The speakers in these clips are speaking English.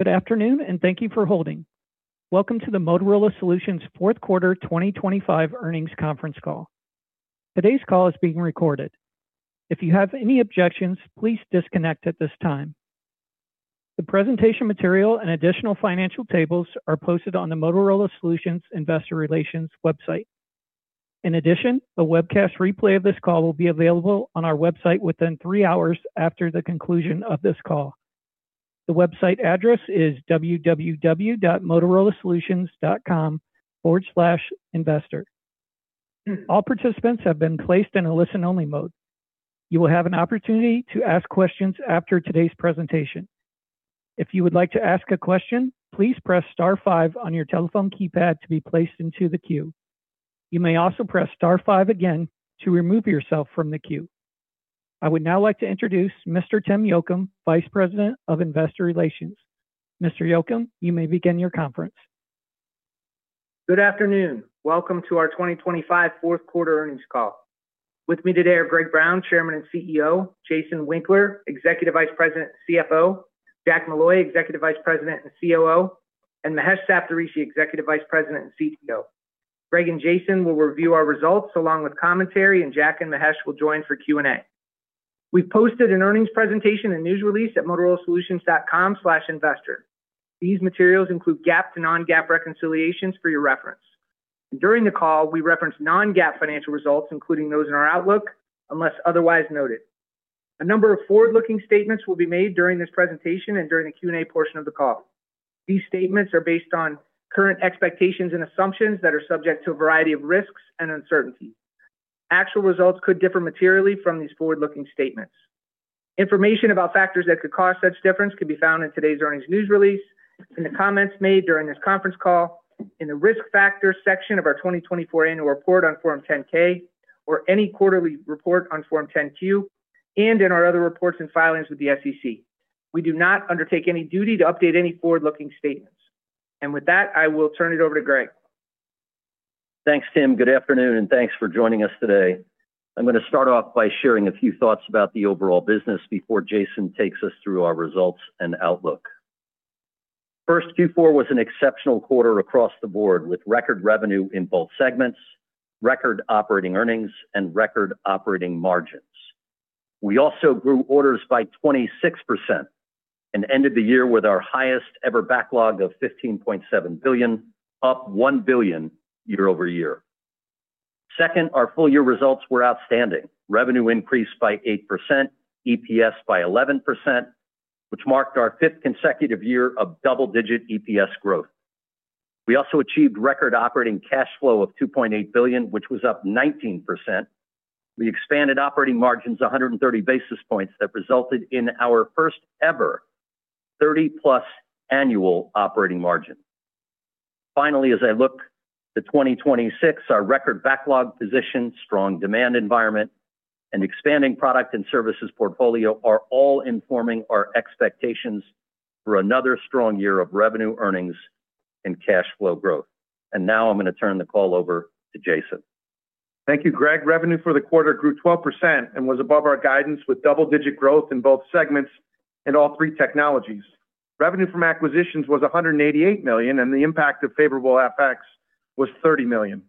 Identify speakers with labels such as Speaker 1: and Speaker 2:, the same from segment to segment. Speaker 1: Good afternoon, and thank you for holding. Welcome to the Motorola Solutions 4th quarter 2025 earnings conference call. Today's call is being recorded. If you have any objections, please disconnect at this time. The presentation material and additional financial tables are posted on the Motorola Solutions Investor Relations website. In addition, a webcast replay of this call will be available on our website within three hours after the conclusion of this call. The website address is www.motorolasolutions.com/investor. All participants have been placed in a listen-only mode. You will have an opportunity to ask questions after today's presentation. If you would like to ask a question, please press star five on your telephone keypad to be placed into the queue. You may also press star five again to remove yourself from the queue. I would now like to introduce Mr. Tim Yocum, Vice President of Investor Relations. Mr. Yocum, you may begin your conference.
Speaker 2: Good afternoon. Welcome to our 2025 4th quarter earnings call. With me today are Greg Brown, Chairman and CEO; Jason Winkler, Executive Vice President and CFO; Jack Molloy, Executive Vice President and COO; and Mahesh Saptharishi, Executive Vice President and CTO. Greg and Jason will review our results along with commentary, and Jack and Mahesh will join for Q&A. We've posted an earnings presentation and news release at motorolasolutions.com/investor. These materials include GAAP to non-GAAP reconciliations for your reference. During the call, we reference non-GAAP financial results, including those in our outlook, unless otherwise noted. A number of forward-looking statements will be made during this presentation and during the Q&A portion of the call. These statements are based on current expectations and assumptions that are subject to a variety of risks and uncertainties. Actual results could differ materially from these forward-looking statements. Information about factors that could cause such difference can be found in today's earnings news release, in the comments made during this conference call, in the risk factors section of our 2024 annual report on Form 10-K, or any quarterly report on Form 10-Q, and in our other reports and filings with the SEC. We do not undertake any duty to update any forward-looking statements. With that, I will turn it over to Greg.
Speaker 3: Thanks, Tim. Good afternoon, and thanks for joining us today. I'm going to start off by sharing a few thoughts about the overall business before Jason takes us through our results and outlook. First, Q4 was an exceptional quarter across the board with record revenue in both segments, record operating earnings, and record operating margins. We also grew orders by 26% and ended the year with our highest-ever backlog of $15.7 billion, up $1 billion year-over-year. Second, our full-year results were outstanding: revenue increased by 8%, EPS by 11%, which marked our fifth consecutive year of double-digit EPS growth. We also achieved record operating cash flow of $2.8 billion, which was up 19%. We expanded operating margins 130 basis points that resulted in our first-ever 30+ annual operating margin. Finally, as I look to 2026, our record backlog position, strong demand environment, and expanding product and services portfolio are all informing our expectations for another strong year of revenue earnings and cash flow growth. Now I'm going to turn the call over to Jason.
Speaker 4: Thank you, Greg. Revenue for the quarter grew 12% and was above our guidance with double-digit growth in both segments and all three technologies. Revenue from acquisitions was $188 million, and the impact of favorable FX was $30 million.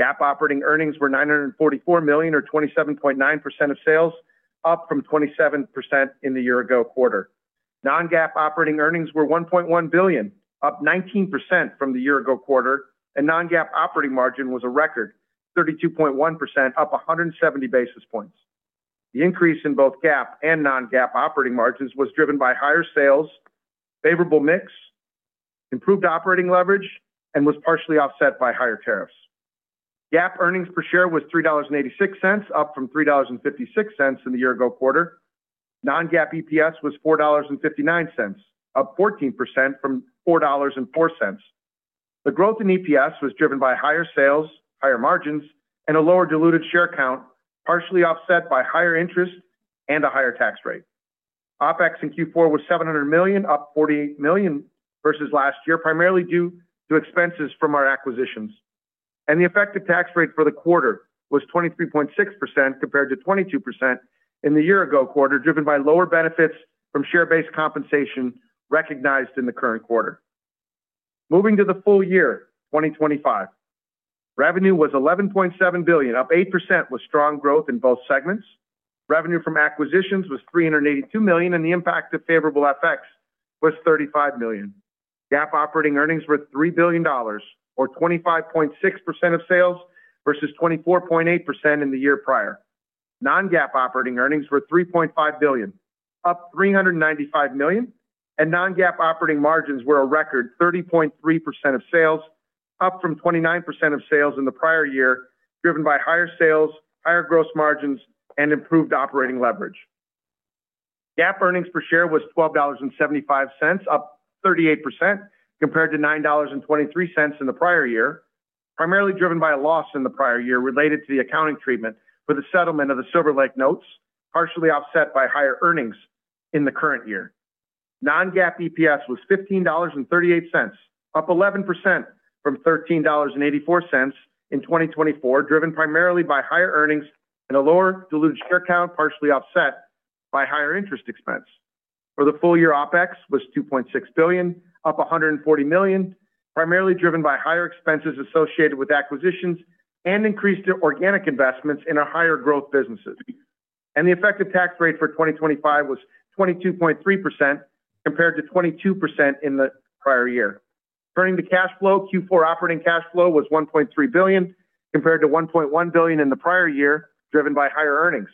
Speaker 4: GAAP operating earnings were $944 million, or 27.9% of sales, up from 27% in the year-ago quarter. Non-GAAP operating earnings were $1.1 billion, up 19% from the year-ago quarter, and Non-GAAP operating margin was a record, 32.1%, up 170 basis points. The increase in both GAAP and Non-GAAP operating margins was driven by higher sales, favorable mix, improved operating leverage, and was partially offset by higher tariffs. GAAP earnings per share was $3.86, up from $3.56 in the year-ago quarter. Non-GAAP EPS was $4.59, up 14% from $4.04. The growth in EPS was driven by higher sales, higher margins, and a lower diluted share count, partially offset by higher interest and a higher tax rate. OpEx in Q4 was $700 million, up $48 million versus last year, primarily due to expenses from our acquisitions. And the effective tax rate for the quarter was 23.6% compared to 22% in the year-ago quarter, driven by lower benefits from share-based compensation recognized in the current quarter. Moving to the full year, 2025. Revenue was $11.7 billion, up 8% with strong growth in both segments. Revenue from acquisitions was $382 million, and the impact of favorable FX was $35 million. GAAP operating earnings were $3 billion, or 25.6% of sales versus 24.8% in the year prior. Non-GAAP operating earnings were $3.5 billion, up $395 million, and Non-GAAP operating margins were a record, 30.3% of sales, up from 29% of sales in the prior year, driven by higher sales, higher gross margins, and improved operating leverage. GAAP earnings per share was $12.75, up 38% compared to $9.23 in the prior year, primarily driven by a loss in the prior year related to the accounting treatment for the settlement of the Silver Lake notes, partially offset by higher earnings in the current year. Non-GAAP EPS was $15.38, up 11% from $13.84 in 2024, driven primarily by higher earnings and a lower diluted share count, partially offset by higher interest expense. For the full year, OpEx was $2.6 billion, up $140 million, primarily driven by higher expenses associated with acquisitions and increased organic investments in our higher growth businesses. The effective tax rate for 2025 was 22.3% compared to 22% in the prior year. Turning to cash flow, Q4 operating cash flow was $1.3 billion compared to $1.1 billion in the prior year, driven by higher earnings.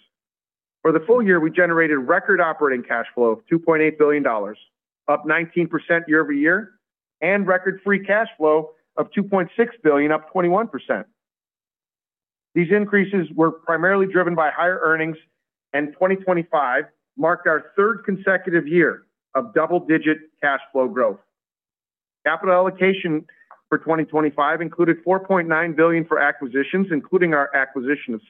Speaker 4: For the full year, we generated record operating cash flow of $2.8 billion, up 19% year-over-year, and record free cash flow of $2.6 billion, up 21%. These increases were primarily driven by higher earnings, and 2025 marked our third consecutive year of double-digit cash flow growth. Capital allocation for 2025 included $4.9 billion for acquisitions, including our acquisition of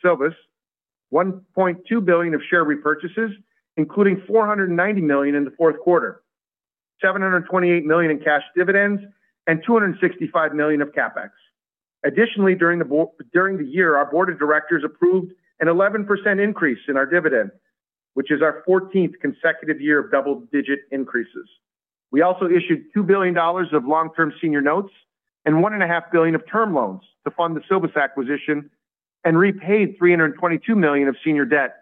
Speaker 4: Silvus, $1.2 billion of share repurchases, including $490 million in the fourth quarter, $728 million in cash dividends, and $265 million of CapEx. Additionally, during the year, our board of directors approved an 11% increase in our dividend, which is our 14th consecutive year of double-digit increases. We also issued $2 billion of long-term senior notes and $1.5 billion of term loans to fund the Silvus acquisition and repaid $322 million of senior debt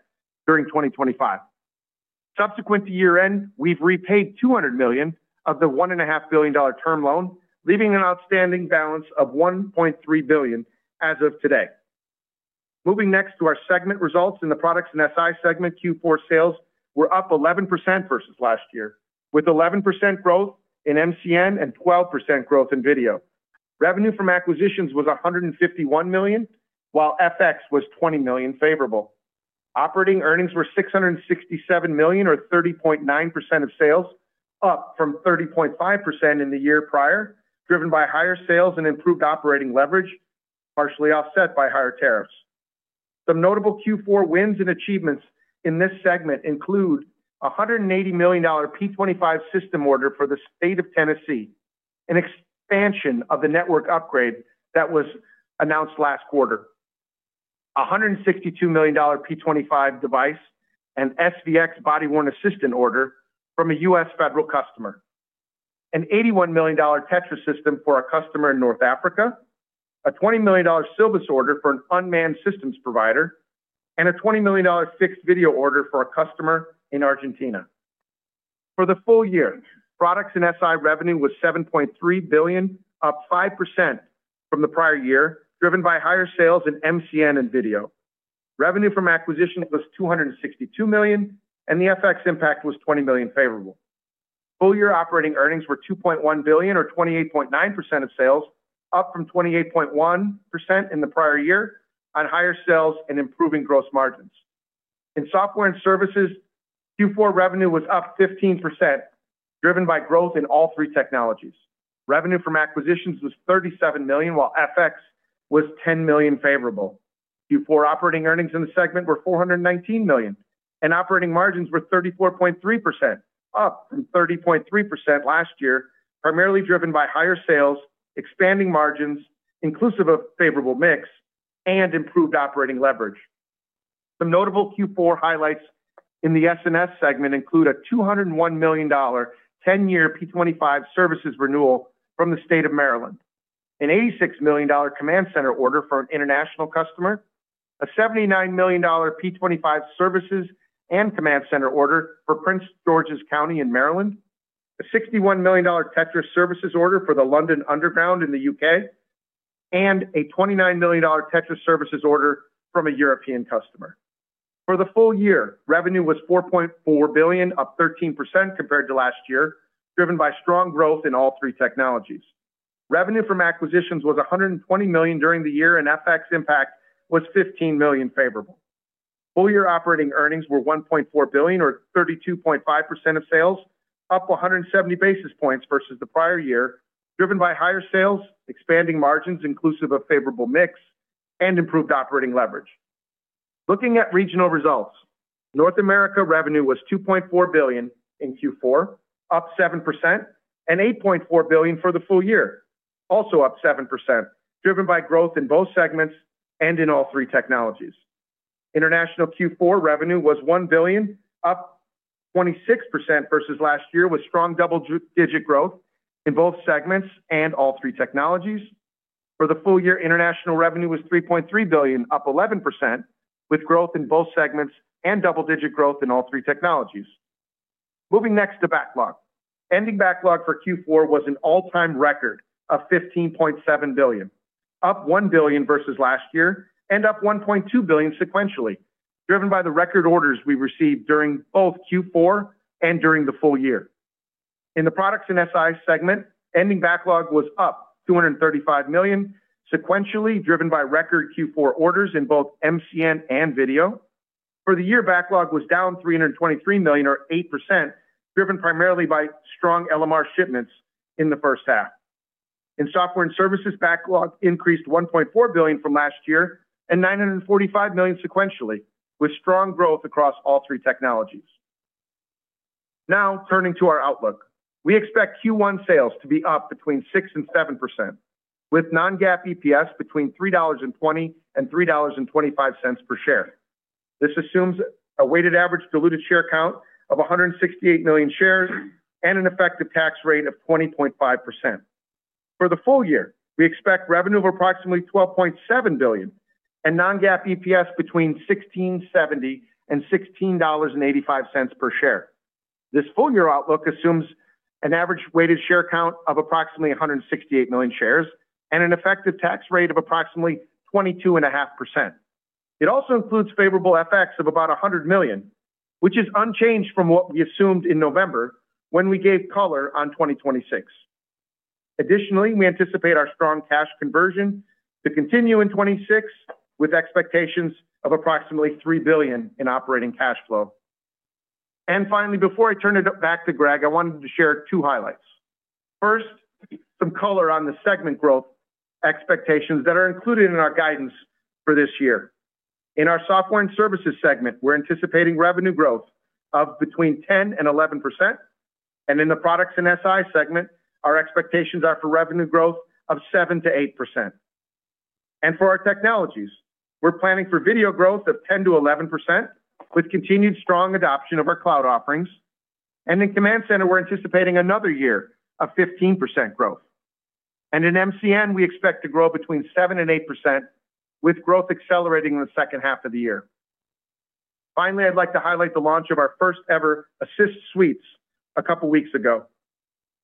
Speaker 4: during 2025. Subsequent to year-end, we've repaid $200 million of the $1.5 billion term loan, leaving an outstanding balance of $1.3 billion as of today. Moving next to our segment results Products and SI segment, Q4 sales were up 11% versus last year, with 11% growth in MCN and 12% growth in video. Revenue from acquisitions was $151 million, while FX was $20 million favorable. Operating earnings were $667 million, or 30.9% of sales, up from 30.5% in the year prior, driven by higher sales and improved operating leverage, partially offset by higher tariffs. Some notable Q4 wins and achievements in this segment include a $180 million P25 system order for the state of Tennessee, an expansion of the network upgrade that was announced last quarter, a $162 million P25 device and SVX body-worn assistant order from a U.S. federal customer, an $81 million TETRA system for a customer in North Africa, a $20 million Silvus order for an unmanned systems provider, and a $20 million fixed video order for a customer in Argentina. For the Products and SI revenue was $7.3 billion, up 5% from the prior year, driven by higher sales in MCN and video. Revenue from acquisitions was $262 million, and the FX impact was $20 million favorable. Full-year operating earnings were $2.1 billion, or 28.9% of sales, up from 28.1% in the prior year on higher sales and improving gross margins. In Software and Services, Q4 revenue was up 15%, driven by growth in all three technologies. Revenue from acquisitions was $37 million, while FX was $10 million favorable. Q4 operating earnings in the segment were $419 million, and operating margins were 34.3%, up from 30.3% last year, primarily driven by higher sales, expanding margins inclusive of favorable mix, and improved operating leverage. Some notable Q4 highlights in the S&S segment include a $201 million 10-year P25 services renewal from the state of Maryland, an $86 million command center order for an international customer, a $79 million P25 services and command center order for Prince George's County in Maryland, a $61 million TETRA services order for the London Underground in the U.K., and a $29 million TETRA services order from a European customer. For the full year, revenue was $4.4 billion, up 13% compared to last year, driven by strong growth in all three technologies. Revenue from acquisitions was $120 million during the year, and FX impact was $15 million favorable. Full-year operating earnings were $1.4 billion, or 32.5% of sales, up 170 basis points versus the prior year, driven by higher sales, expanding margins inclusive of favorable mix, and improved operating leverage. Looking at regional results, North America revenue was $2.4 billion in Q4, up 7%, and $8.4 billion for the full year, also up 7%, driven by growth in both segments and in all three technologies. International Q4 Revenue was $1 billion, up 26% versus last year with strong double-digit growth in both segments and all three technologies. For the full year, International Revenue was $3.3 billion, up 11% with growth in both segments and double-digit growth in all three technologies. Moving next to backlog. Ending backlog for Q4 was an all-time record of $15.7 billion, up $1 billion versus last year, and up $1.2 billion sequentially, driven by the record orders we received during both Q4 and during the full year. Products and SI segment, ending backlog was up $235 million, sequentially driven by record Q4 orders in both MCN and Video. For the year, backlog was down $323 million, or 8%, driven primarily by strong LMR shipments in the first half. In Software and Services, backlog increased $1.4 billion from last year and $945 million sequentially, with strong growth across all three technologies. Now turning to our outlook. We expect Q1 sales to be up between 6% and 7%, with non-GAAP EPS between $3.20 and $3.25 per share. This assumes a weighted average diluted share count of 168 million shares and an effective tax rate of 20.5%. For the full year, we expect revenue of approximately $12.7 billion and non-GAAP EPS between $16.70-$16.85 per share. This full-year outlook assumes an average weighted share count of approximately 168 million shares and an effective tax rate of approximately 22.5%. It also includes favorable FX of about $100 million, which is unchanged from what we assumed in November when we gave color on 2026. Additionally, we anticipate our strong cash conversion to continue in 2026 with expectations of approximately $3 billion in operating cash flow. And finally, before I turn it back to Greg, I wanted to share two highlights. First, some color on the segment growth expectations that are included in our guidance for this year. In our Software and Services segment, we're anticipating revenue growth of between 10%-11%. And Products and SI segment, our expectations are for revenue growth of 7%-8%. For our technologies, we're planning for video growth of 10%-11% with continued strong adoption of our cloud offerings. In command center, we're anticipating another year of 15% growth. In MCN, we expect to grow between 7% and 8% with growth accelerating in the second half of the year. Finally, I'd like to highlight the launch of our first-ever Assist Suites a couple of weeks ago.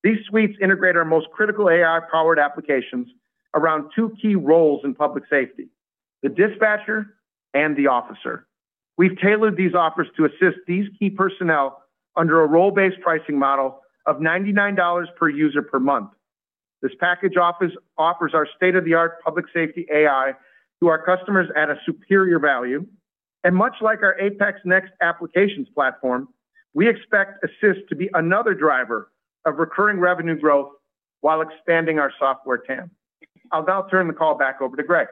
Speaker 4: These suites integrate our most critical AI-powered applications around two key roles in public safety: the dispatcher and the officer. We've tailored these offers to assist these key personnel under a role-based pricing model of $99 per user per month. This package offers our state-of-the-art public safety AI to our customers at a superior value. Much like our APX NEXT applications platform, we expect Assist to be another driver of recurring revenue growth while expanding our software TAM. I'll now turn the call back over to Greg.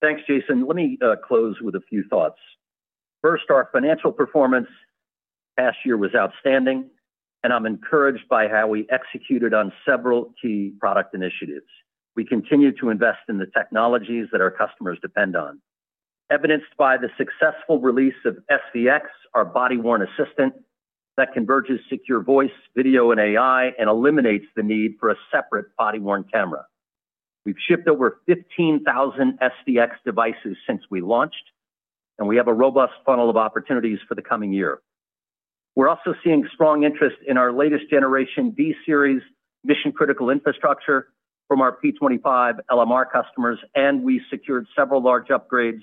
Speaker 3: Thanks, Jason. Let me close with a few thoughts. First, our financial performance past year was outstanding, and I'm encouraged by how we executed on several key product initiatives. We continue to invest in the technologies that our customers depend on. Evidenced by the successful release of SVX, our body-worn assistant that converges secure voice, video, and AI, and eliminates the need for a separate body-worn camera. We've shipped over 15,000 SVX devices since we launched, and we have a robust funnel of opportunities for the coming year. We're also seeing strong interest in our latest D-Series mission critical infrastructure from our P25 LMR customers, and we secured several large upgrades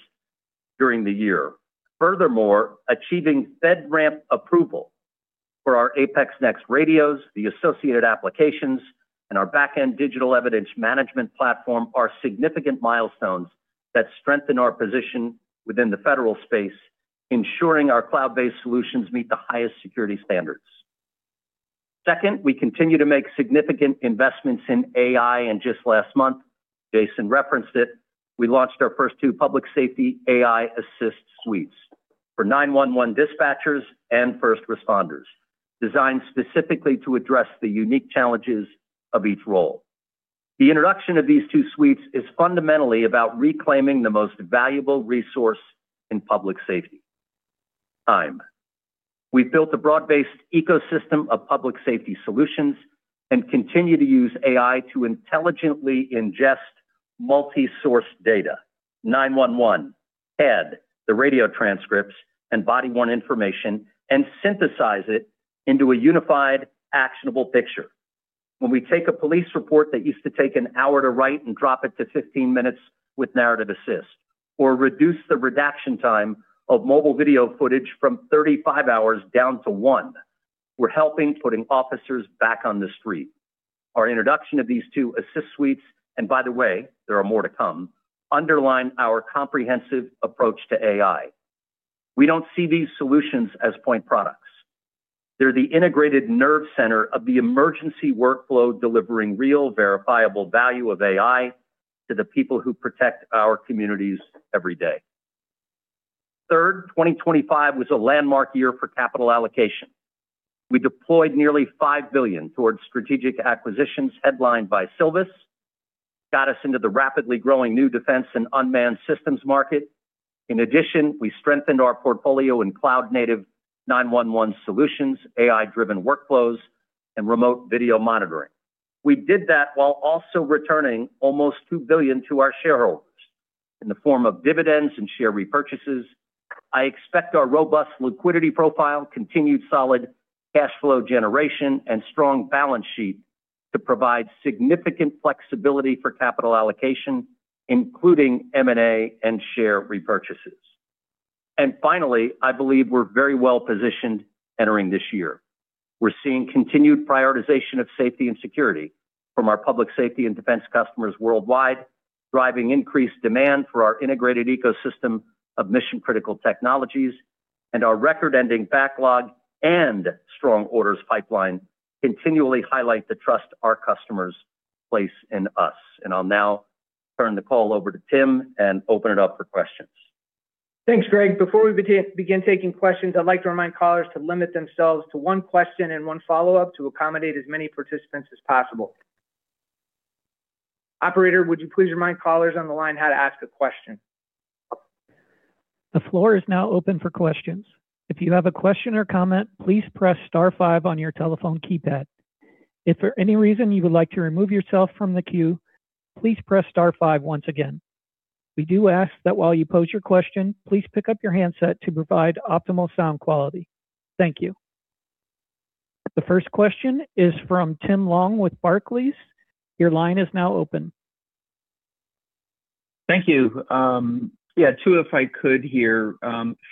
Speaker 3: during the year. Furthermore, achieving FedRAMP approval for our APX NEXT radios, the associated applications, and our backend digital evidence management platform are significant milestones that strengthen our position within the federal space, ensuring our cloud-based solutions meet the highest security standards. Second, we continue to make significant investments in AI, and just last month, Jason referenced it, we launched our first two public safety AI Assist Suites for 911 dispatchers and first responders, designed specifically to address the unique challenges of each role. The introduction of these two suites is fundamentally about reclaiming the most valuable resource in public safety: time. We've built a broad-based ecosystem of public safety solutions and continue to use AI to intelligently ingest multi-source data: 911, CAD, the radio transcripts, and body-worn information, and synthesize it into a unified, actionable picture. When we take a police report that used to take an hour to write and drop it to 15 minutes with Narrative Assist, or reduce the redaction time of mobile video footage from 35 hours down to one, we're helping. Putting officers back on the street. Our introduction of these Assist Suites, and by the way, there are more to come, underline our comprehensive approach to AI. We don't see these solutions as point products. They're the integrated nerve center of the emergency workflow, delivering real, verifiable value of AI to the people who protect our communities every day. Third, 2025 was a landmark year for capital allocation. We deployed nearly $5 billion towards strategic acquisitions headlined by Silvus, got us into the rapidly growing new defense and unmanned systems market. In addition, we strengthened our portfolio in cloud-native 911 solutions, AI-driven workflows, and remote video monitoring. We did that while also returning almost $2 billion to our shareholders in the form of dividends and share repurchases. I expect our robust liquidity profile, continued solid cash flow generation, and strong balance sheet to provide significant flexibility for capital allocation, including M&A and share repurchases. Finally, I believe we're very well positioned entering this year. We're seeing continued prioritization of safety and security from our public safety and defense customers worldwide, driving increased demand for our integrated ecosystem of mission critical technologies, and our record-ending backlog and strong orders pipeline continually highlight the trust our customers place in us. I'll now turn the call over to Tim and open it up for questions.
Speaker 2: Thanks, Greg. Before we begin taking questions, I'd like to remind callers to limit themselves to one question and one follow-up to accommodate as many participants as possible. Operator, would you please remind callers on the line how to ask a question?
Speaker 1: The floor is now open for questions. If you have a question or comment, please press star five on your telephone keypad. If for any reason you would like to remove yourself from the queue, please press star five once again. We do ask that while you pose your question, please pick up your handset to provide optimal sound quality. Thank you. The first question is from Tim Long with Barclays. Your line is now open.
Speaker 5: Thank you. Yeah, two if I could here.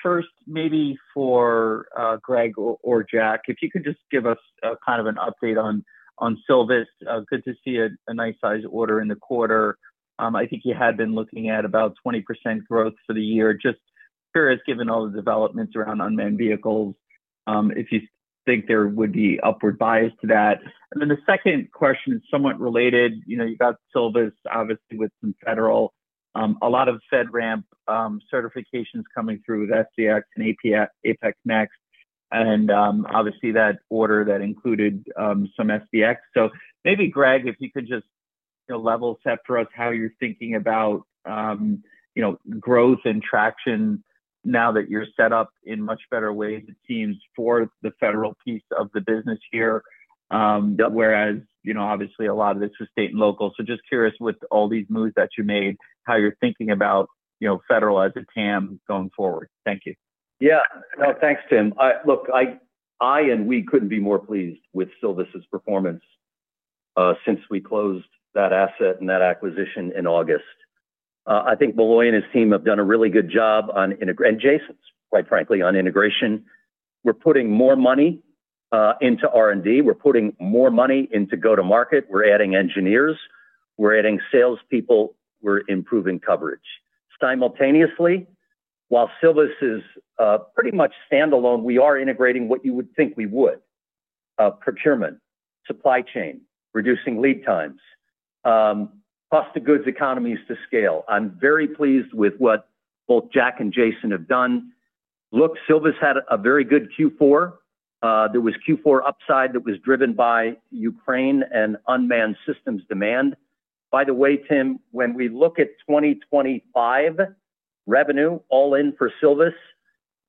Speaker 5: First, maybe for Greg or Jack, if you could just give us kind of an update on Silvus. Good to see a nice-sized order in the quarter. I think you had been looking at about 20% growth for the year. Just curious, given all the developments around unmanned vehicles, if you think there would be upward bias to that. And then the second question is somewhat related. You got Silvus, obviously, with some federal, a lot of FedRAMP certifications coming through with SVX and APX NEXT, and obviously that order that included some SVX. So maybe Greg, if you could just level set for us how you're thinking about growth and traction now that you're set up in much better ways, it seems, for the federal piece of the business here, whereas obviously a lot of this was state and local. Just curious with all these moves that you made, how you're thinking about federal as a TAM going forward? Thank you.
Speaker 3: Yeah. No, thanks, Tim. Look, I and we couldn't be more pleased with Silvus's performance since we closed that asset and that acquisition in August. I think Molloy and his team have done a really good job on and Jason's, quite frankly, on integration. We're putting more money into R&D. We're putting more money into go-to-market. We're adding engineers. We're adding salespeople. We're improving coverage. Simultaneously, while Silvus is pretty much standalone, we are integrating what you would think we would: procurement, supply chain, reducing lead times, cost of goods, economies of scale. I'm very pleased with what both Jack and Jason have done. Look, Silvus had a very good Q4. There was Q4 upside that was driven by Ukraine and unmanned systems demand. By the way, Tim, when we look at 2025 revenue, all in for Silvus,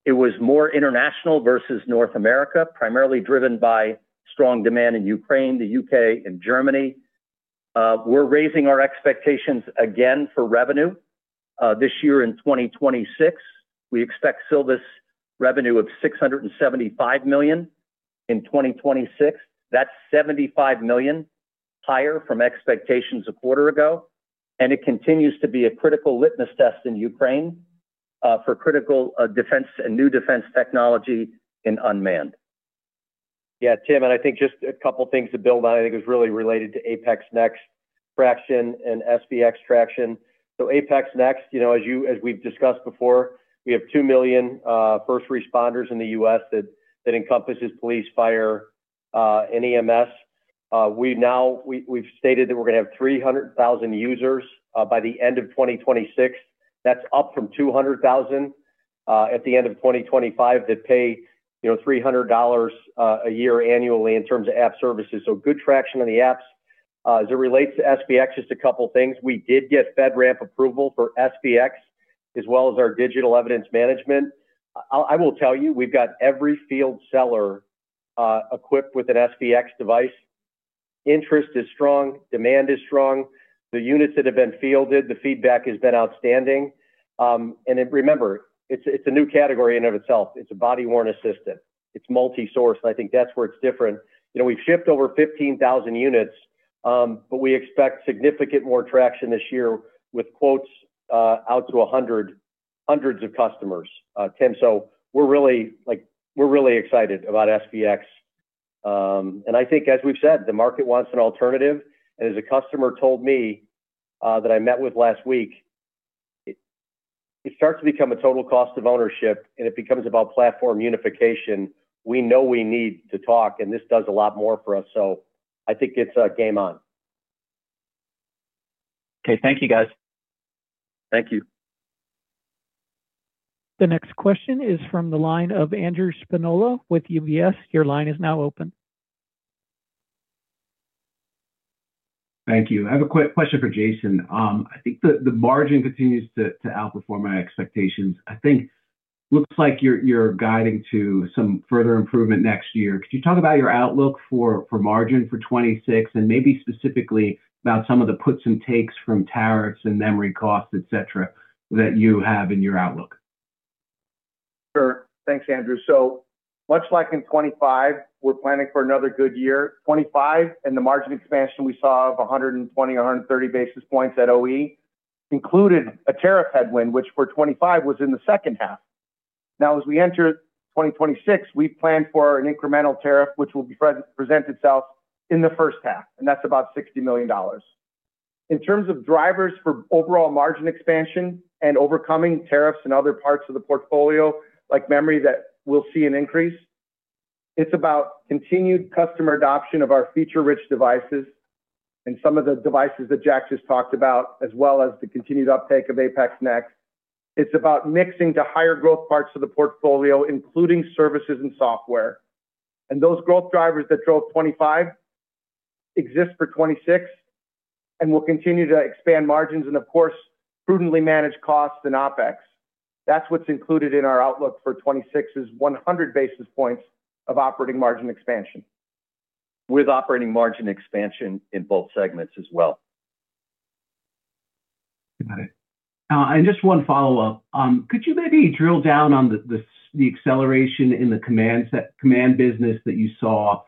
Speaker 3: it was more international versus North America, primarily driven by strong demand in Ukraine, the U.K., and Germany. We're raising our expectations again for revenue. This year in 2026, we expect Silvus revenue of $675 million in 2026. That's $75 million higher from expectations a quarter ago. And it continues to be a critical litmus test in Ukraine for critical defense and new defense technology in unmanned. Yeah, Tim, and I think just a couple of things to build on. I think it was really related to APX NEXT traction and SVX traction. So APX NEXT, as we've discussed before, we have 2 million first responders in the U.S. that encompasses police, fire, and EMS. Now, we've stated that we're going to have 300,000 users by the end of 2026. That's up from 200,000 at the end of 2025 that pay $300 a year annually in terms of app services. So good traction on the apps. As it relates to SVX, just a couple of things. We did get FedRAMP approval for SVX as well as our digital evidence management. I will tell you, we've got every field seller equipped with an SVX device. Interest is strong. Demand is strong. The units that have been fielded, the feedback has been outstanding. And remember, it's a new category in and of itself. It's a body-worn assistant. It's multi-source. And I think that's where it's different. We've shipped over 15,000 units, but we expect significant more traction this year with quotes out to hundreds of customers, Tim. So we're really excited about SVX. And I think, as we've said, the market wants an alternative. As a customer told me that I met with last week, it starts to become a total cost of ownership, and it becomes about platform unification. We know we need to talk, and this does a lot more for us. I think it's a game on.
Speaker 5: Okay. Thank you, guys. Thank you.
Speaker 1: The next question is from the line of Andrew Spinola with UBS. Your line is now open.
Speaker 6: Thank you. I have a quick question for Jason. I think the margin continues to outperform my expectations. I think it looks like you're guiding to some further improvement next year. Could you talk about your outlook for margin for 2026 and maybe specifically about some of the puts and takes from tariffs and memory costs, etc., that you have in your outlook?
Speaker 4: Sure. Thanks, Andrew. So much like in 2025, we're planning for another good year. 2025 and the margin expansion we saw of 120, 130 basis points at OE included a tariff headwind, which for 2025 was in the second half. Now, as we enter 2026, we plan for an incremental tariff, which will present itself in the first half. And that's about $60 million. In terms of drivers for overall margin expansion and overcoming tariffs in other parts of the portfolio like memory that we'll see an increase, it's about continued customer adoption of our feature-rich devices and some of the devices that Jack just talked about, as well as the continued uptake of APX NEXT. It's about mixing to higher growth parts of the portfolio, including services and software. Those growth drivers that drove 2025 exist for 2026 and will continue to expand margins and, of course, prudently manage costs and OpEx. That's what's included in our outlook for 2026 is 100 basis points of operating margin expansion.
Speaker 3: With operating margin expansion in both segments as well.
Speaker 5: Got it. And just one follow-up. Could you maybe drill down on the acceleration in the command business that you saw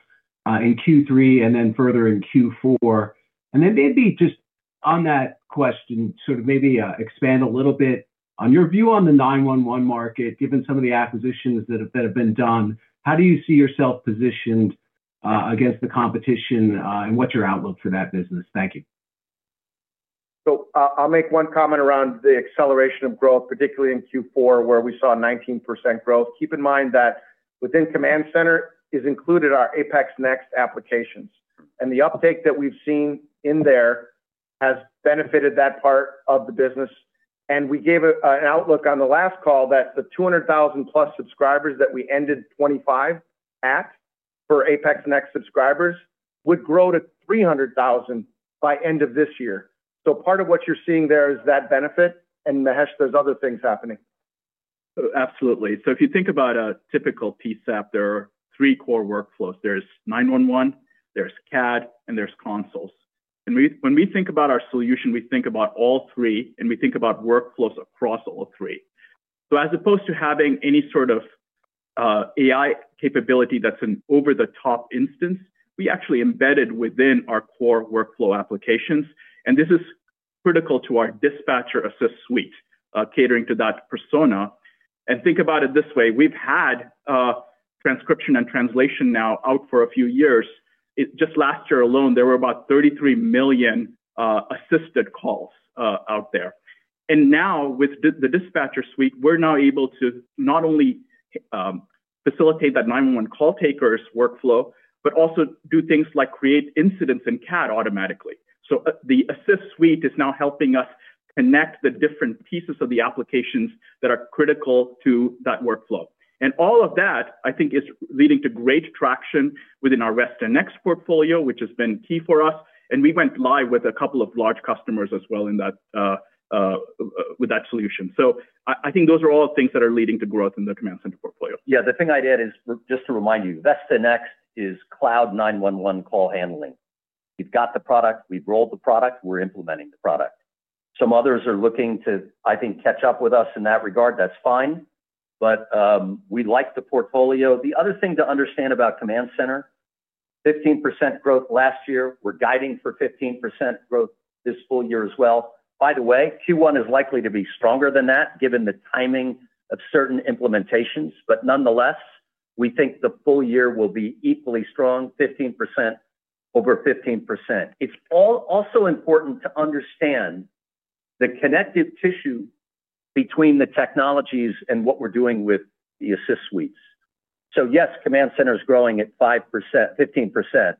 Speaker 5: in Q3 and then further in Q4? And then maybe just on that question, sort of maybe expand a little bit on your view on the 911 market, given some of the acquisitions that have been done, how do you see yourself positioned against the competition and what's your outlook for that business? Thank you.
Speaker 4: So I'll make one comment around the acceleration of growth, particularly in Q4 where we saw 19% growth. Keep in mind that within Command Center is included our APX NEXT applications. And the uptake that we've seen in there has benefited that part of the business. And we gave an outlook on the last call that the 200,000+ subscribers that we ended 2025 at for APX NEXT subscribers would grow to 300,000 by end of this year. So part of what you're seeing there is that benefit. And Mahesh, there's other things happening.
Speaker 7: Absolutely. So if you think about a typical PSAP, there are three core workflows. There's 911, there's CAD, and there's consoles. And when we think about our solution, we think about all three, and we think about workflows across all three. So as opposed to having any sort of AI capability that's an over-the-top instance, we actually embedded within our core workflow applications. And this is critical to our Dispatcher Assist Suite, catering to that persona. And think about it this way. We've had transcription and translation now out for a few years. Just last year alone, there were about 33 million assisted calls out there. And now with the dispatcher suite, we're now able to not only facilitate that 911 call takers workflow, but also do things like create incidents in CAD automatically. The Assist Suite is now helping us connect the different pieces of the applications that are critical to that workflow. All of that, I think, is leading to great traction within our SaaS and APX NEXT portfolio, which has been key for us. We went live with a couple of large customers as well with that solution. I think those are all things that are leading to growth in the Command Center portfolio.
Speaker 3: Yeah. The thing I did is just to remind you, VESTA NXT is cloud 911 call handling. We've got the product. We've rolled the product. We're implementing the product. Some others are looking to, I think, catch up with us in that regard. That's fine. But we like the portfolio. The other thing to understand about Command Center, 15% growth last year. We're guiding for 15% growth this full year as well. By the way, Q1 is likely to be stronger than that given the timing of certain implementations. But nonetheless, we think the full year will be equally strong, 15% over 15%. It's also important to understand the connective tissue between the technologies and what we're doing with the Assist Suites. So yes, Command Center is growing at 5%, 15%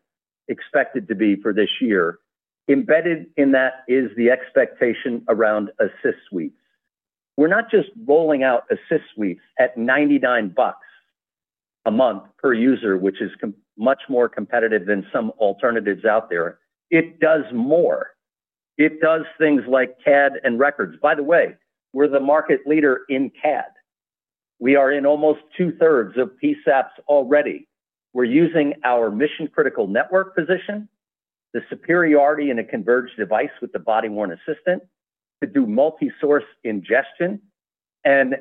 Speaker 3: expected to be for this year. Embedded in that is the expectation around Assist Suites. We're not just rolling out Assist Suites at $99 a month per user, which is much more competitive than some alternatives out there. It does more. It does things like CAD and records. By the way, we're the market leader in CAD. We are in almost two-thirds of PSAPs already. We're using our mission critical network position, the superiority in a converged device with the body-worn assistant to do multi-source ingestion and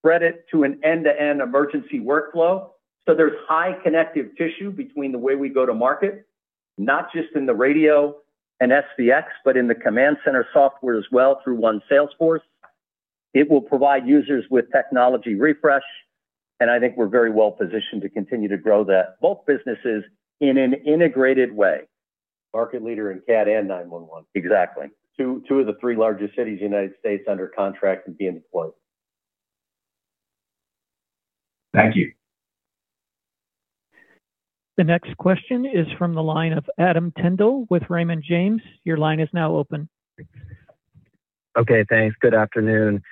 Speaker 3: spread it to an end-to-end emergency workflow. So there's high connective tissue between the way we go to market, not just in the radio and SVX, but in the command center software as well through One Salesforce. It will provide users with technology refresh. And I think we're very well positioned to continue to grow both businesses in an integrated way. Market leader in CAD and 911. Exactly. Two of the three largest cities, United States, under contract and being deployed.
Speaker 6: Thank you.
Speaker 1: The next question is from the line of Adam Tindle with Raymond James. Your line is now open.
Speaker 8: Okay. Thanks. Good afternoon.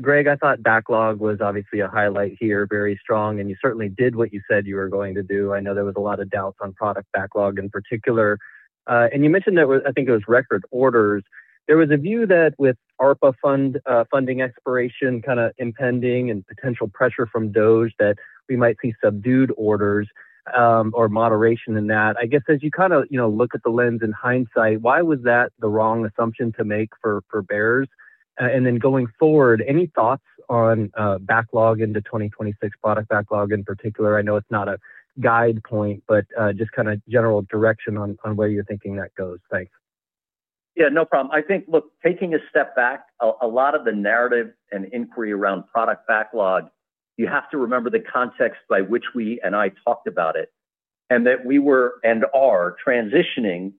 Speaker 8: Greg, I thought backlog was obviously a highlight here, very strong. And you certainly did what you said you were going to do. I know there was a lot of doubts on product backlog in particular. And you mentioned that I think it was record orders. There was a view that with ARPA funding expiration kind of impending and potential pressure from DOGE that we might see subdued orders or moderation in that. I guess as you kind of look at the lens in hindsight, why was that the wrong assumption to make for bears? And then going forward, any thoughts on backlog into 2026, product backlog in particular? I know it's not a guide point, but just kind of general direction on where you're thinking that goes. Thanks.
Speaker 3: Yeah, no problem. I think, look, taking a step back, a lot of the narrative and inquiry around product backlog, you have to remember the context by which we and I talked about it and that we were and are transitioning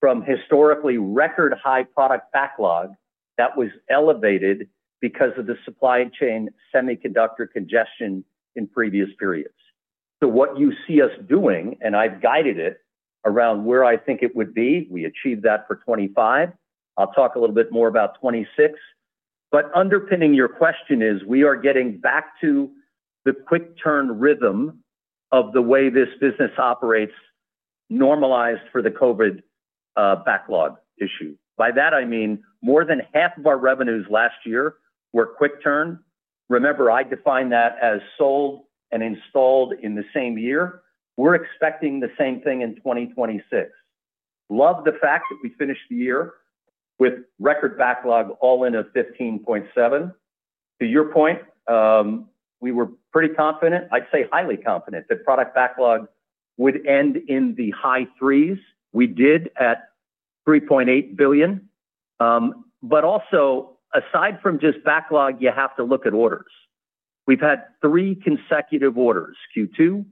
Speaker 3: from historically record-high product backlog that was elevated because of the supply chain semiconductor congestion in previous periods. So what you see us doing, and I've guided it around where I think it would be, we achieved that for 2025. I'll talk a little bit more about 2026. But underpinning your question is we are getting back to the quick-turn rhythm of the way this business operates normalized for the COVID backlog issue. By that, I mean more than half of our revenues last year were quick-turn. Remember, I define that as sold and installed in the same year. We're expecting the same thing in 2026. love the fact that we finished the year with record backlog all in of $15.7 billion. To your point, we were pretty confident, I'd say highly confident, that product backlog would end in the high 3s. We did at $3.8 billion. But also, aside from just backlog, you have to look at orders. We've had 3 consecutive quarters, Q2,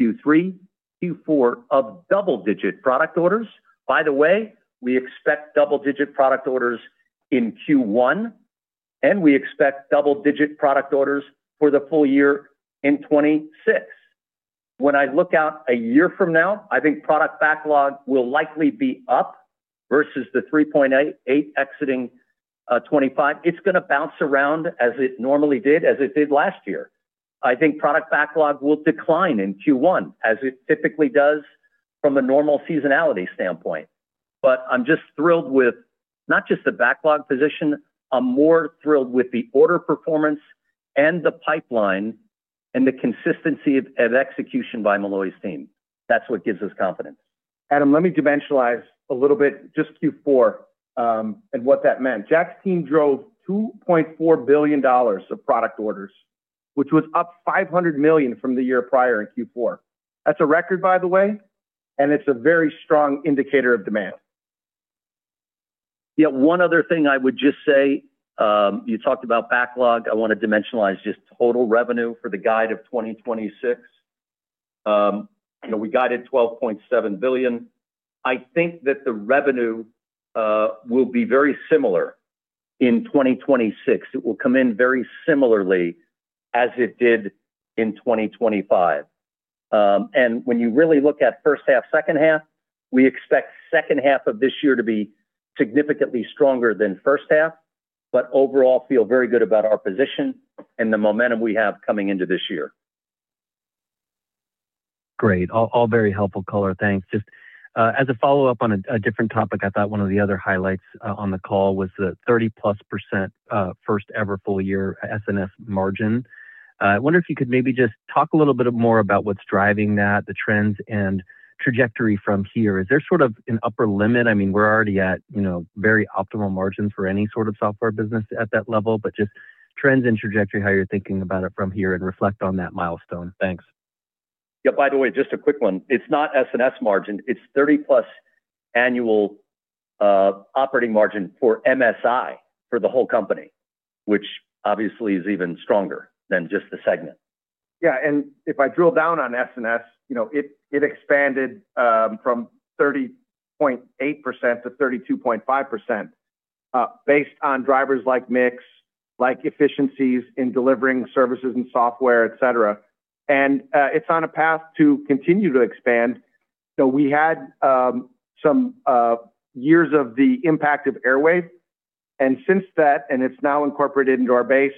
Speaker 3: Q3, Q4, of double-digit product orders. By the way, we expect double-digit product orders in Q1, and we expect double-digit product orders for the full year in 2026. When I look out a year from now, I think product backlog will likely be up versus the $3.8 billion exiting 2025. It's going to bounce around as it normally did, as it did last year. I think product backlog will decline in Q1 as it typically does from a normal seasonality standpoint. But I'm just thrilled with not just the backlog position. I'm more thrilled with the order performance and the pipeline and the consistency of execution by Molloy's team. That's what gives us confidence.
Speaker 4: Adam, let me dimensionalize a little bit, just Q4 and what that meant. Jack's team drove $2.4 billion of product orders, which was up $500 million from the year prior in Q4. That's a record, by the way. It's a very strong indicator of demand.
Speaker 3: Yeah. One other thing I would just say, you talked about backlog. I want to dimensionalize just total revenue for the guide of 2026. We guided $12.7 billion. I think that the revenue will be very similar in 2026. It will come in very similarly as it did in 2025. And when you really look at first half, second half, we expect second half of this year to be significantly stronger than first half, but overall feel very good about our position and the momentum we have coming into this year.
Speaker 8: Great. All very helpful, Color. Thanks. Just as a follow-up on a different topic, I thought one of the other highlights on the call was the 30+% first-ever full year S&S margin. I wonder if you could maybe just talk a little bit more about what's driving that, the trends, and trajectory from here. Is there sort of an upper limit? I mean, we're already at very optimal margins for any sort of software business at that level, but just trends and trajectory, how you're thinking about it from here and reflect on that milestone. Thanks.
Speaker 3: Yeah. By the way, just a quick one. It's not S&S margin. It's 30+% annual operating margin for MSI for the whole company, which obviously is even stronger than just the segment.
Speaker 4: Yeah. If I drill down on S&S, it expanded from 30.8% to 32.5% based on drivers like mix, like efficiencies in delivering services and software, etc. It's on a path to continue to expand. We had some years of the impact of Airwave. Since that, and it's now incorporated into our base,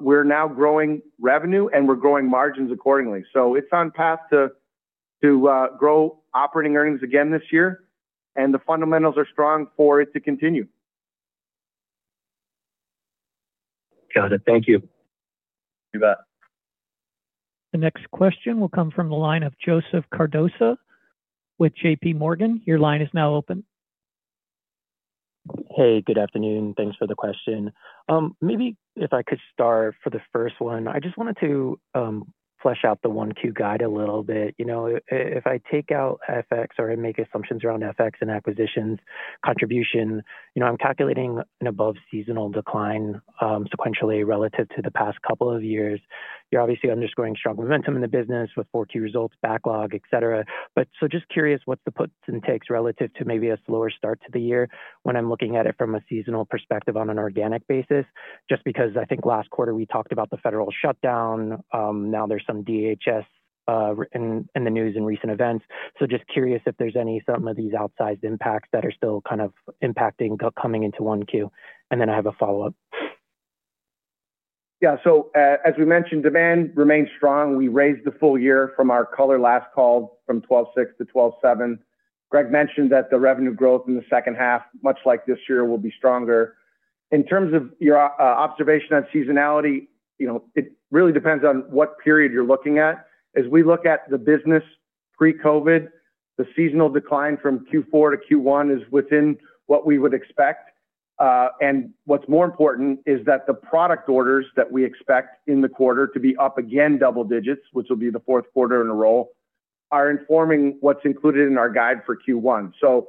Speaker 4: we're now growing revenue and we're growing margins accordingly. It's on path to grow operating earnings again this year. The fundamentals are strong for it to continue.
Speaker 8: Got it. Thank you.
Speaker 3: You bet.
Speaker 1: The next question will come from the line of Joseph Cardoso with JP Morgan. Your line is now open.
Speaker 9: Hey, good afternoon. Thanks for the question. Maybe if I could start for the first one, I just wanted to flesh out the 1Q guide a little bit. If I take out FX or I make assumptions around FX and acquisitions contribution, I'm calculating an above-seasonal decline sequentially relative to the past couple of years. You're obviously underscoring strong momentum in the business with 4Q results, backlog, etc. But so just curious, what's the puts and takes relative to maybe a slower start to the year when I'm looking at it from a seasonal perspective on an organic basis? Just because I think last quarter we talked about the federal shutdown. Now there's some DHS in the news and recent events. So just curious if there's any of these outsized impacts that are still kind of impacting coming into 1Q. And then I have a follow-up.
Speaker 4: Yeah. So as we mentioned, demand remains strong. We raised the full year from our color last call from $12.06 to $12.07. Greg mentioned that the revenue growth in the second half, much like this year, will be stronger. In terms of your observation on seasonality, it really depends on what period you're looking at. As we look at the business pre-COVID, the seasonal decline from Q4 to Q1 is within what we would expect. And what's more important is that the product orders that we expect in the quarter to be up again double digits, which will be the fourth quarter in a row, are informing what's included in our guide for Q1. So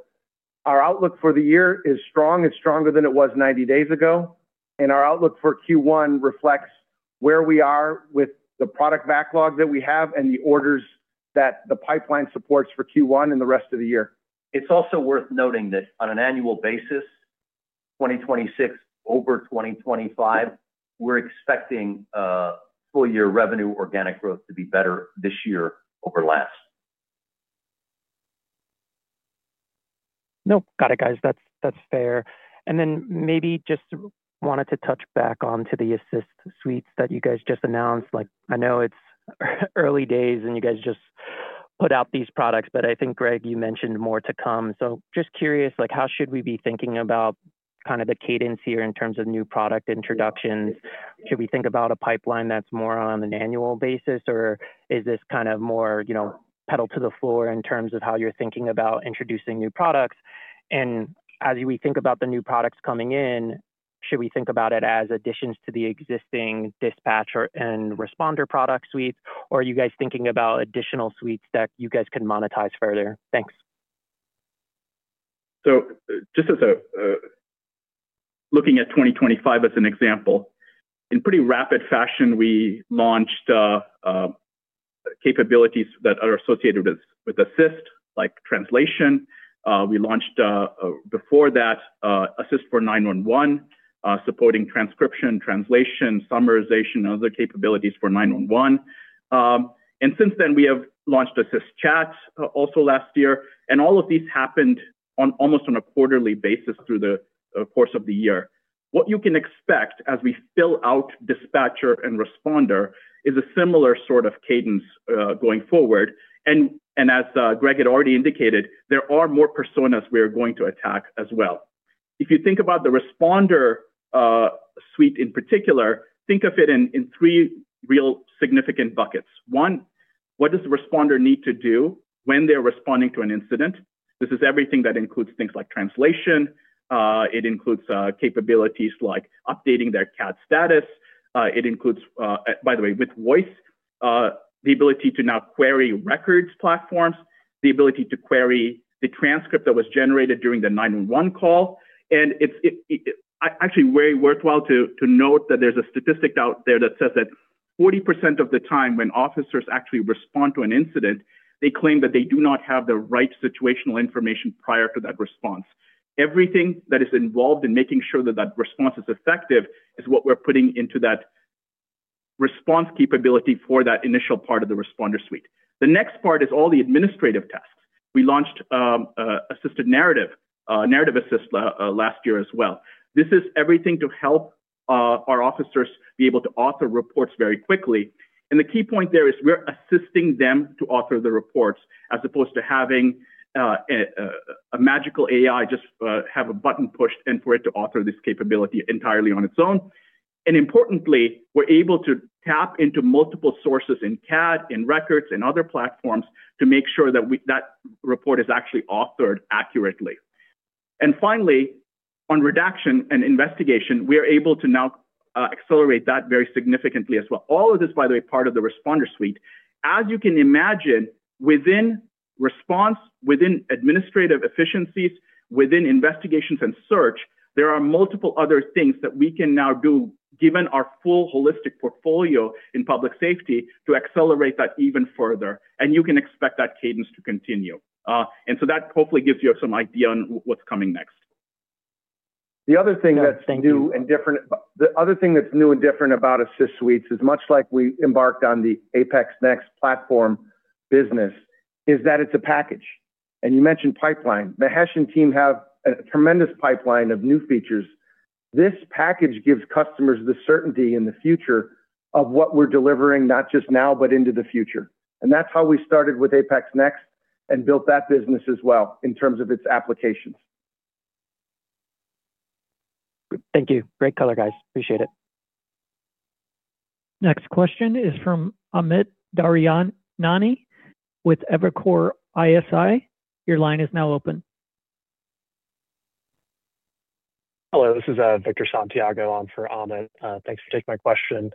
Speaker 4: our outlook for the year is strong. It's stronger than it was 90 days ago. Our outlook for Q1 reflects where we are with the product backlog that we have and the orders that the pipeline supports for Q1 and the rest of the year.
Speaker 3: It's also worth noting that on an annual basis, 2026 over 2025, we're expecting full-year revenue organic growth to be better this year over last.
Speaker 9: Nope. Got it, guys. That's fair. And then maybe just wanted to touch back onto the Assist Suites that you guys just announced. I know it's early days and you guys just put out these products, but I think, Greg, you mentioned more to come. So just curious, how should we be thinking about kind of the cadence here in terms of new product introductions? Should we think about a pipeline that's more on an annual basis, or is this kind of more pedal to the floor in terms of how you're thinking about introducing new products? And as we think about the new products coming in, should we think about it as additions to the existing dispatch and responder product suites, or are you guys thinking about additional suites that you guys can monetize further? Thanks.
Speaker 7: So just as we're looking at 2025 as an example, in pretty rapid fashion, we launched capabilities that are associated with Assist, like translation. We launched before that Assist for 911, supporting transcription, translation, summarization, and other capabilities for 911. Since then, we have launched Assist Chat also last year. All of these happened almost on a quarterly basis through the course of the year. What you can expect as we fill out dispatcher and responder is a similar sort of cadence going forward. As Greg had already indicated, there are more personas we are going to attack as well. If you think about the responder suite in particular, think of it in three real significant buckets. One, what does the responder need to do when they're responding to an incident? This is everything that includes things like translation. It includes capabilities like updating their CAD status. It includes, by the way, with voice, the ability to now query records platforms, the ability to query the transcript that was generated during the 911 call. It's actually very worthwhile to note that there's a statistic out there that says that 40% of the time when officers actually respond to an incident, they claim that they do not have the right situational information prior to that response. Everything that is involved in making sure that that response is effective is what we're putting into that response capability for that initial part of the responder suite. The next part is all the administrative tasks. We launched Assisted Narrative, Narrative Assist last year as well. This is everything to help our officers be able to author reports very quickly. The key point there is we're assisting them to author the reports as opposed to having a magical AI just have a button pushed and for it to author this capability entirely on its own. Importantly, we're able to tap into multiple sources in CAD, in records, in other platforms to make sure that report is actually authored accurately. Finally, on redaction and investigation, we are able to now accelerate that very significantly as well. All of this, by the way, part of the responder suite. As you can imagine, within response, within administrative efficiencies, within investigations and search, there are multiple other things that we can now do given our full holistic portfolio in public safety to accelerate that even further. You can expect that cadence to continue. So that hopefully gives you some idea on what's coming next.
Speaker 3: The other thing that's new and different about Assist Suites is much like we embarked on the APX NEXT platform business is that it's a package. And you mentioned pipeline. Mahesh and team have a tremendous pipeline of new features. This package gives customers the certainty in the future of what we're delivering not just now, but into the future. And that's how we started with APX NEXT and built that business as well in terms of its applications.
Speaker 9: Thank you. Great color, guys. Appreciate it.
Speaker 1: Next question is from Amit Daryanani with Evercore ISI. Your line is now open.
Speaker 10: Hello. This is Victor Santiago on for Amit. Thanks for taking my question.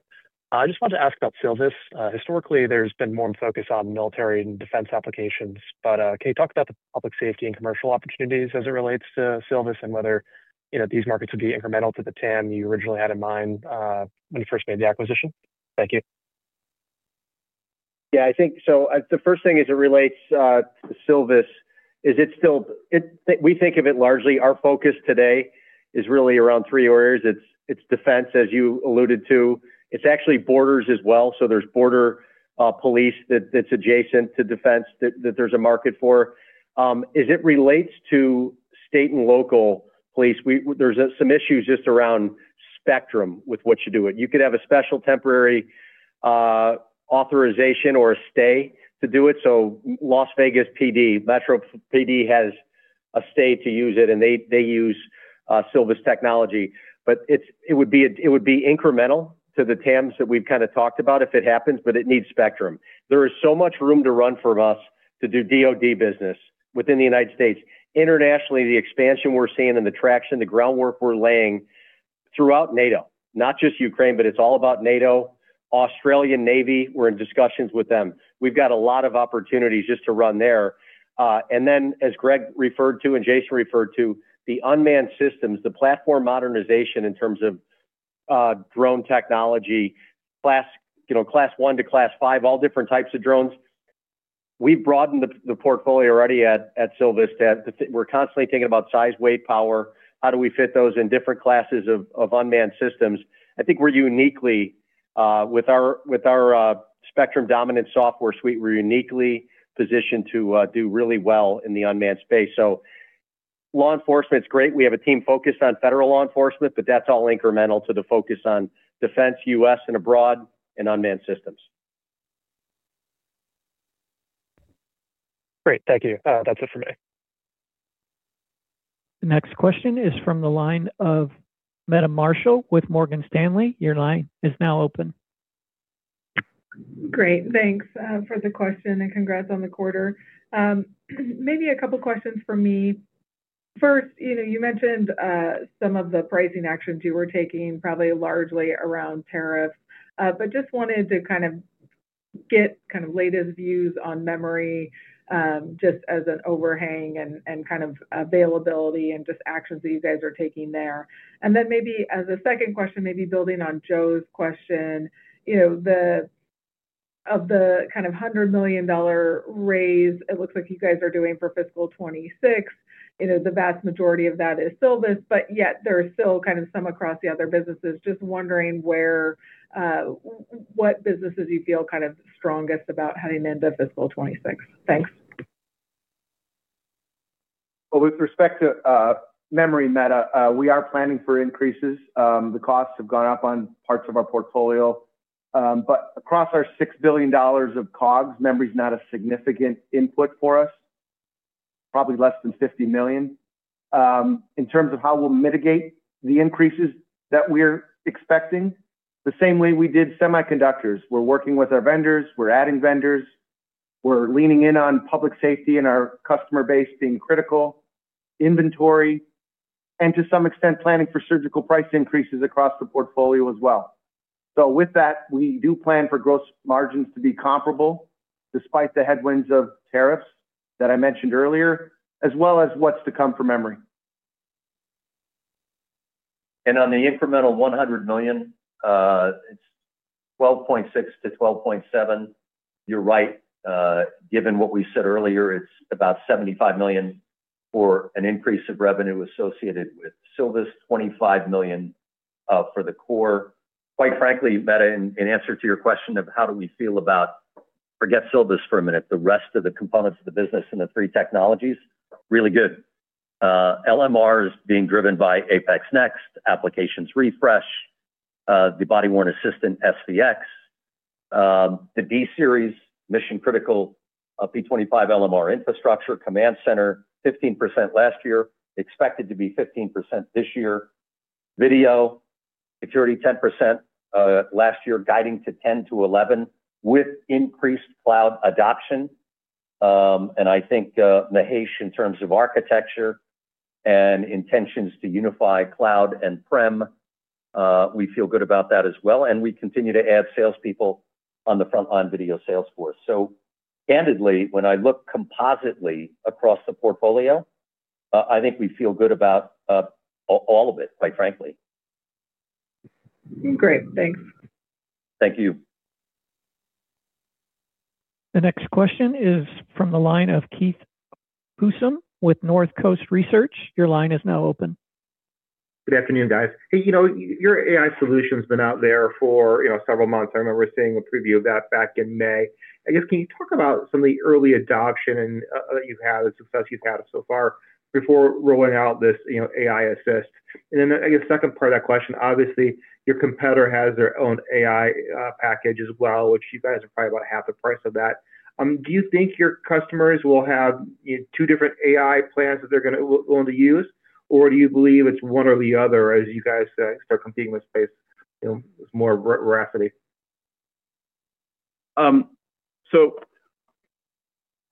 Speaker 10: I just wanted to ask about Silvus. Historically, there's been more focus on military and defense applications. But can you talk about the public safety and commercial opportunities as it relates to Silvus and whether these markets would be incremental to the TAM you originally had in mind when you first made the acquisition? Thank you.
Speaker 3: Yeah. So the first thing as it relates to Silvus is it's still we think of it largely our focus today is really around three areas. It's defense, as you alluded to. It's actually borders as well. So there's border police that's adjacent to defense that there's a market for. As it relates to state and local police, there's some issues just around spectrum with what you do it. You could have a special temporary authorization or a stay to do it. So Las Vegas PD, Metro PD has a stay to use it, and they use Silvus technology. But it would be incremental to the TAMs that we've kind of talked about if it happens, but it needs spectrum. There is so much room to run for us to do DOD business within the United States. Internationally, the expansion we're seeing and the traction, the groundwork we're laying throughout NATO, not just Ukraine, but it's all about NATO. Australian Navy, we're in discussions with them. We've got a lot of opportunities just to run there. And then as Greg referred to and Jason referred to, the unmanned systems, the platform modernization in terms of drone technology, class one to class five, all different types of drones. We've broadened the portfolio already at Silvus. We're constantly thinking about size, weight, power. How do we fit those in different classes of unmanned systems? I think we're uniquely with our spectrum dominant software suite, we're uniquely positioned to do really well in the unmanned space. So law enforcement, it's great. We have a team focused on federal law enforcement, but that's all incremental to the focus on defense, U.S., and abroad, and unmanned systems.
Speaker 10: Great. Thank you. That's it for me.
Speaker 1: The next question is from the line of Meta Marshall with Morgan Stanley. Your line is now open.
Speaker 11: Great. Thanks for the question and congrats on the quarter. Maybe a couple of questions for me. First, you mentioned some of the pricing actions you were taking, probably largely around tariffs, but just wanted to kind of get kind of latest views on memory just as an overhang and kind of availability and just actions that you guys are taking there. And then maybe as a second question, maybe building on Joe's question, of the kind of $100 million raise it looks like you guys are doing for fiscal 2026, the vast majority of that is Silvus, but yet there's still kind of some across the other businesses. Just wondering what businesses you feel kind of strongest about heading into fiscal 2026. Thanks.
Speaker 4: Well, with respect to memory, Meta, we are planning for increases. The costs have gone up on parts of our portfolio. But across our $6 billion of COGS, memory's not a significant input for us, probably less than $50 million. In terms of how we'll mitigate the increases that we're expecting, the same way we did semiconductors. We're working with our vendors. We're adding vendors. We're leaning in on public safety and our customer base being critical, inventory, and to some extent, planning for surgical price increases across the portfolio as well. So with that, we do plan for gross margins to be comparable despite the headwinds of tariffs that I mentioned earlier, as well as what's to come for memory.
Speaker 3: On the incremental $100 million, it's 12.6-12.7. You're right. Given what we said earlier, it's about $75 million for an increase of revenue associated with Silvus, $25 million for the core. Quite frankly, Meta, in answer to your question of how do we feel about forget Silvus for a minute, the rest of the components of the business and the three technologies, really good. LMR is being driven by APX NEXT, applications refresh, the body-worn assistant SVX, the D-Series, mission critical P25 LMR infrastructure, command center, 15% last year, expected to be 15% this year. Video security, 10% last year, guiding to 10-11% with increased cloud adoption. And I think Mahesh, in terms of architecture and intentions to unify cloud and prem, we feel good about that as well. And we continue to add salespeople on the frontline video sales force. Candidly, when I look compositely across the portfolio, I think we feel good about all of it, quite frankly.
Speaker 11: Great. Thanks.
Speaker 2: Thank you.
Speaker 1: The next question is from the line of Keith Housum with Northcoast Research. Your line is now open.
Speaker 12: Good afternoon, guys. Hey, your AI solution's been out there for several months. I remember seeing a preview of that back in May. I guess, can you talk about some of the early adoption that you've had and success you've had so far before rolling out this AI assist? And then I guess the second part of that question, obviously, your competitor has their own AI package as well, which you guys are probably about half the price of that. Do you think your customers will have two different AI plans that they're going to be willing to use, or do you believe it's one or the other as you guys start competing in this space with more veracity?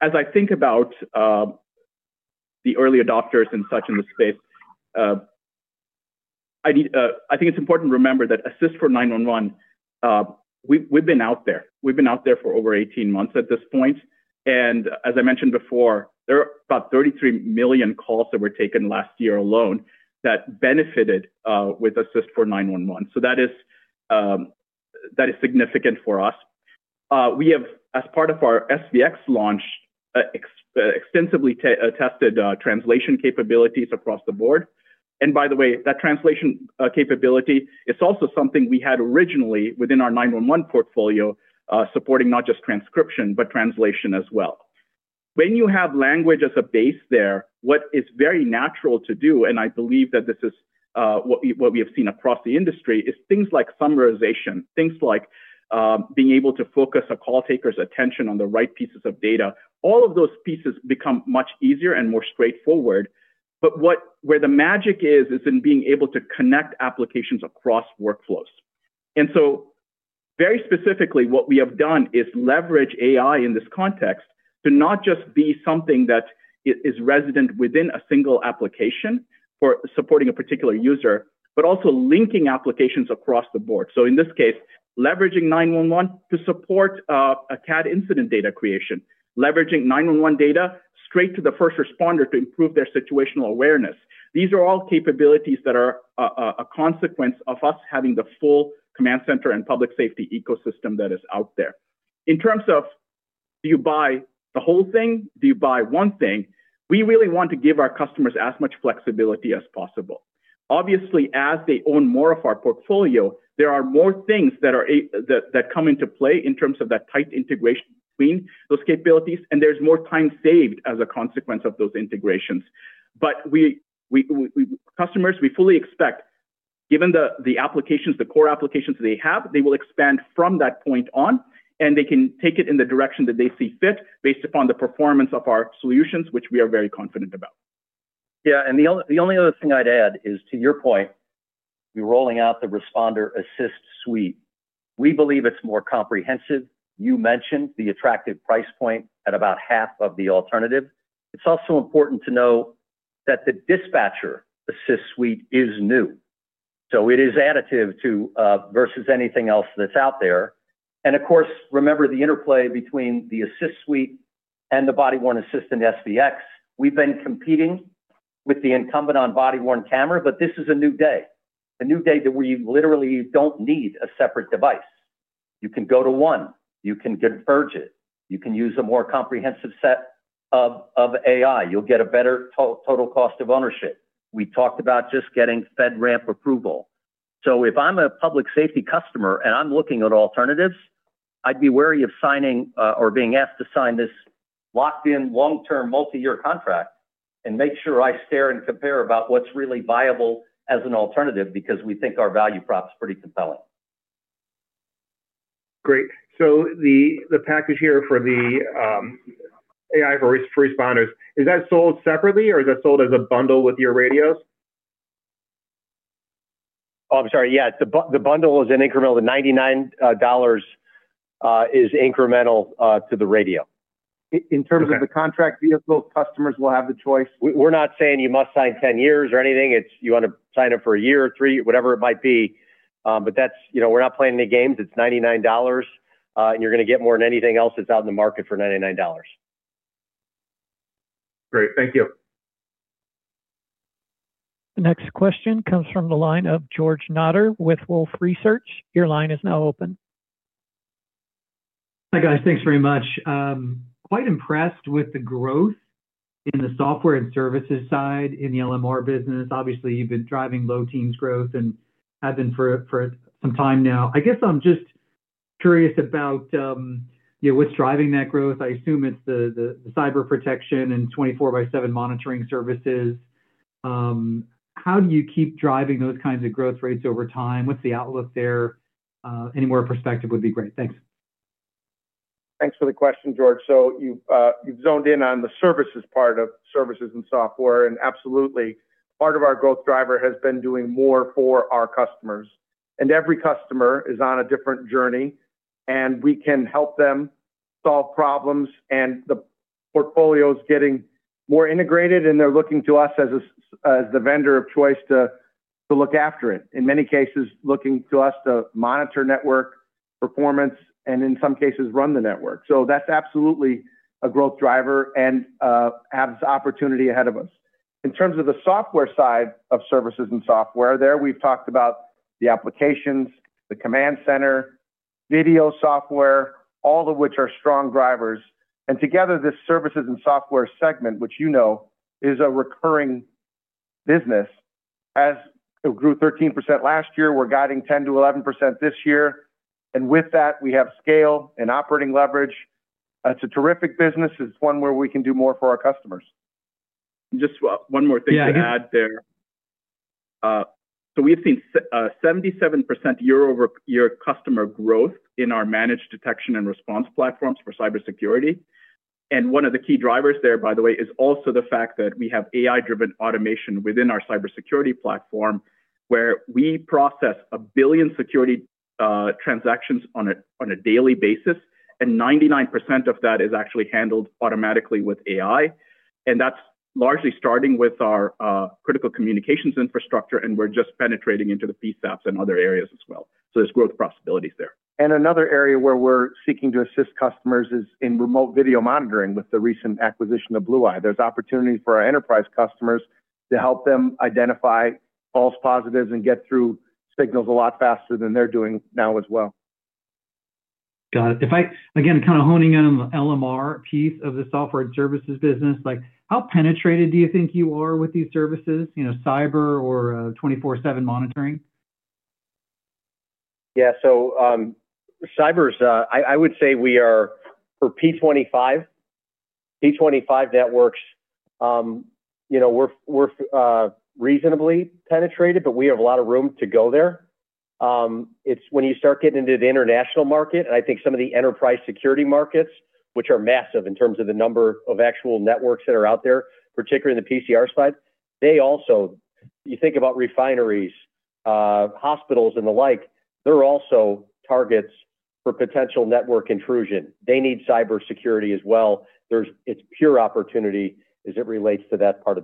Speaker 7: As I think about the early adopters and such in the space, I think it's important to remember that Assist for 911, we've been out there. We've been out there for over 18 months at this point. As I mentioned before, there are about 33 million calls that were taken last year alone that benefited with Assist for 911. That is significant for us. We have, as part of our SVX launch, extensively tested translation capabilities across the board. By the way, that translation capability is also something we had originally within our 911 portfolio, supporting not just transcription, but translation as well. When you have language as a base there, what is very natural to do, and I believe that this is what we have seen across the industry, is things like summarization, things like being able to focus a call taker's attention on the right pieces of data. All of those pieces become much easier and more straightforward. But where the magic is, is in being able to connect applications across workflows. And so very specifically, what we have done is leverage AI in this context to not just be something that is resident within a single application for supporting a particular user, but also linking applications across the board. So in this case, leveraging 911 to support a CAD incident data creation, leveraging 911 data straight to the first responder to improve their situational awareness. These are all capabilities that are a consequence of us having the full command center and public safety ecosystem that is out there. In terms of do you buy the whole thing, do you buy one thing, we really want to give our customers as much flexibility as possible. Obviously, as they own more of our portfolio, there are more things that come into play in terms of that tight integration between those capabilities, and there's more time saved as a consequence of those integrations. But customers, we fully expect, given the applications, the core applications they have, they will expand from that point on, and they can take it in the direction that they see fit based upon the performance of our solutions, which we are very confident about.
Speaker 3: Yeah. And the only other thing I'd add is, to your point, we're rolling out the Responder Assist Suite. We believe it's more comprehensive. You mentioned the attractive price point at about half of the alternative. It's also important to know that the Dispatcher Assist Suite is new. So it is additive versus anything else that's out there. And of course, remember the interplay between the Assist Suite and the body-worn assistant SVX. We've been competing with the incumbent on body-worn camera, but this is a new day, a new day that we literally don't need a separate device. You can go to one. You can converge it. You can use a more comprehensive set of AI. You'll get a better total cost of ownership. We talked about just getting FedRAMP approval. If I'm a public safety customer and I'm looking at alternatives, I'd be wary of signing or being asked to sign this locked-in long-term multi-year contract and make sure I stare and compare about what's really viable as an alternative because we think our value prop's pretty compelling.
Speaker 12: Great. So the package here for the AI for responders, is that sold separately, or is that sold as a bundle with your radios?
Speaker 3: Oh, I'm sorry. Yeah. The bundle is an incremental. The $99 is incremental to the radio.
Speaker 12: In terms of the contract vehicles, customers will have the choice?
Speaker 3: We're not saying you must sign 10 years or anything. You want to sign up for a year or three, whatever it might be. But we're not playing any games. It's $99, and you're going to get more than anything else that's out in the market for $99.
Speaker 12: Great. Thank you.
Speaker 1: The next question comes from the line of George Notter with Wolfe Research. Your line is now open.
Speaker 13: Hi, guys. Thanks very much. Quite impressed with the growth in the Software and Services side in the LMR business. Obviously, you've been driving low-teens growth and have been for some time now. I guess I'm just curious about what's driving that growth. I assume it's the cyber protection and 24/7 monitoring services. How do you keep driving those kinds of growth rates over time? What's the outlook there? Any more perspective would be great. Thanks.
Speaker 4: Thanks for the question, George. So you've zoned in on the services part of services and software. And absolutely, part of our growth driver has been doing more for our customers. And every customer is on a different journey, and we can help them solve problems. And the portfolio's getting more integrated, and they're looking to us as the vendor of choice to look after it, in many cases, looking to us to monitor network performance and, in some cases, run the network. So that's absolutely a growth driver and has opportunity ahead of us. In terms of the software side of services and software, there, we've talked about the applications, the command center, video software, all of which are strong drivers. And together, this services and software segment, which you know is a recurring business, grew 13% last year. We're guiding 10%-11% this year. With that, we have scale and operating leverage. It's a terrific business. It's one where we can do more for our customers.
Speaker 7: Just one more thing to add there. So we have seen 77% year-over-year customer growth in our managed detection and response platforms for cybersecurity. And one of the key drivers there, by the way, is also the fact that we have AI-driven automation within our cybersecurity platform where we process 1 billion security transactions on a daily basis, and 99% of that is actually handled automatically with AI. And that's largely starting with our critical communications infrastructure, and we're just penetrating into the PSAPs and other areas as well. So there's growth possibilities there. Another area where we're seeking to assist customers is in remote video monitoring with the recent acquisition of Blue Eye. There's opportunities for our enterprise customers to help them identify false positives and get through signals a lot faster than they're doing now as well.
Speaker 11: Got it. Again, kind of honing in on the LMR piece of the Software and Services business, how penetrated do you think you are with these services, cyber or 24/7 monitoring?
Speaker 7: Yeah. So cyber, I would say we are for P25 networks, we're reasonably penetrated, but we have a lot of room to go there. When you start getting into the international market, and I think some of the enterprise security markets, which are massive in terms of the number of actual networks that are out there, particularly in the PCR side, you think about refineries, hospitals, and the like, they're also targets for potential network intrusion. They need cybersecurity as well. It's pure opportunity as it relates to that part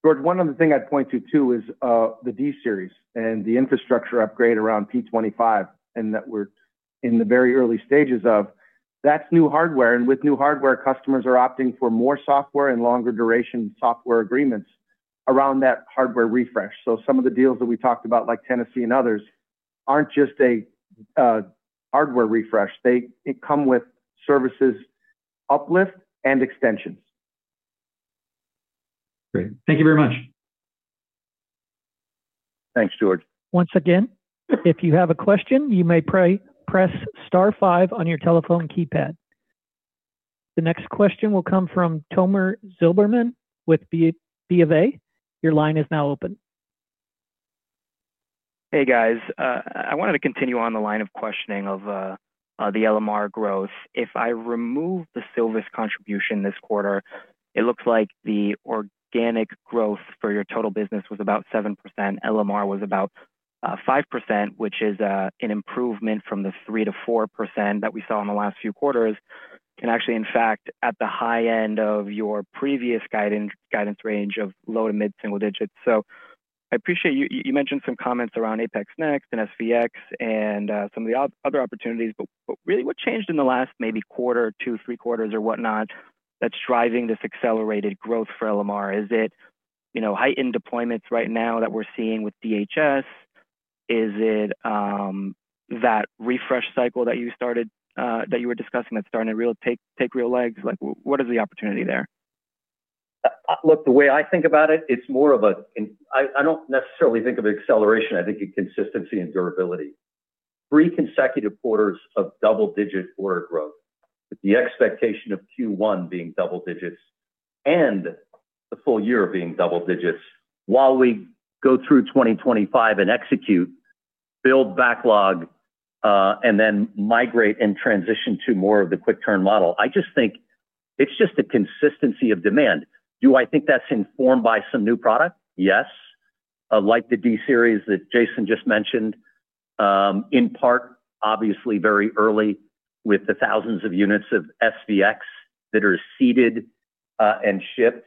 Speaker 7: of the business.
Speaker 4: Greg, one other thing I'd point to too is the D-Series and the infrastructure upgrade around P25 and that we're in the very early stages of. That's new hardware. With new hardware, customers are opting for more software and longer-duration software agreements around that hardware refresh. So some of the deals that we talked about, like Tennessee and others, aren't just a hardware refresh. They come with services uplift and extensions.
Speaker 13: Great. Thank you very much.
Speaker 4: Thanks, George.
Speaker 1: Once again, if you have a question, you may press star 5 on your telephone keypad. The next question will come from Tomer Zilberman with B of A. Your line is now open.
Speaker 14: Hey, guys. I wanted to continue on the line of questioning of the LMR growth. If I remove the Silvus contribution this quarter, it looks like the organic growth for your total business was about 7%. LMR was about 5%, which is an improvement from the 3%-4% that we saw in the last few quarters. Can actually, in fact, at the high end of your previous guidance range of low to mid single digits. So I appreciate you mentioned some comments around APX NEXT and SVX and some of the other opportunities. But really, what changed in the last maybe quarter or two, three quarters, or whatnot that's driving this accelerated growth for LMR? Is it heightened deployments right now that we're seeing with DHS? Is it that refresh cycle that you were discussing that's starting to take real legs? What is the opportunity there?
Speaker 3: Look, the way I think about it, it's more of a I don't necessarily think of acceleration. I think of consistency and durability. Three consecutive quarters of double-digit order growth with the expectation of Q1 being double digits and the full year being double digits while we go through 2025 and execute, build backlog, and then migrate and transition to more of the quick turn model. I just think it's just a consistency of demand. Do I think that's informed by some new product? Yes. Like the D-Series that Jason just mentioned, in part, obviously, very early with the thousands of units of SVX that are seeded and shipped.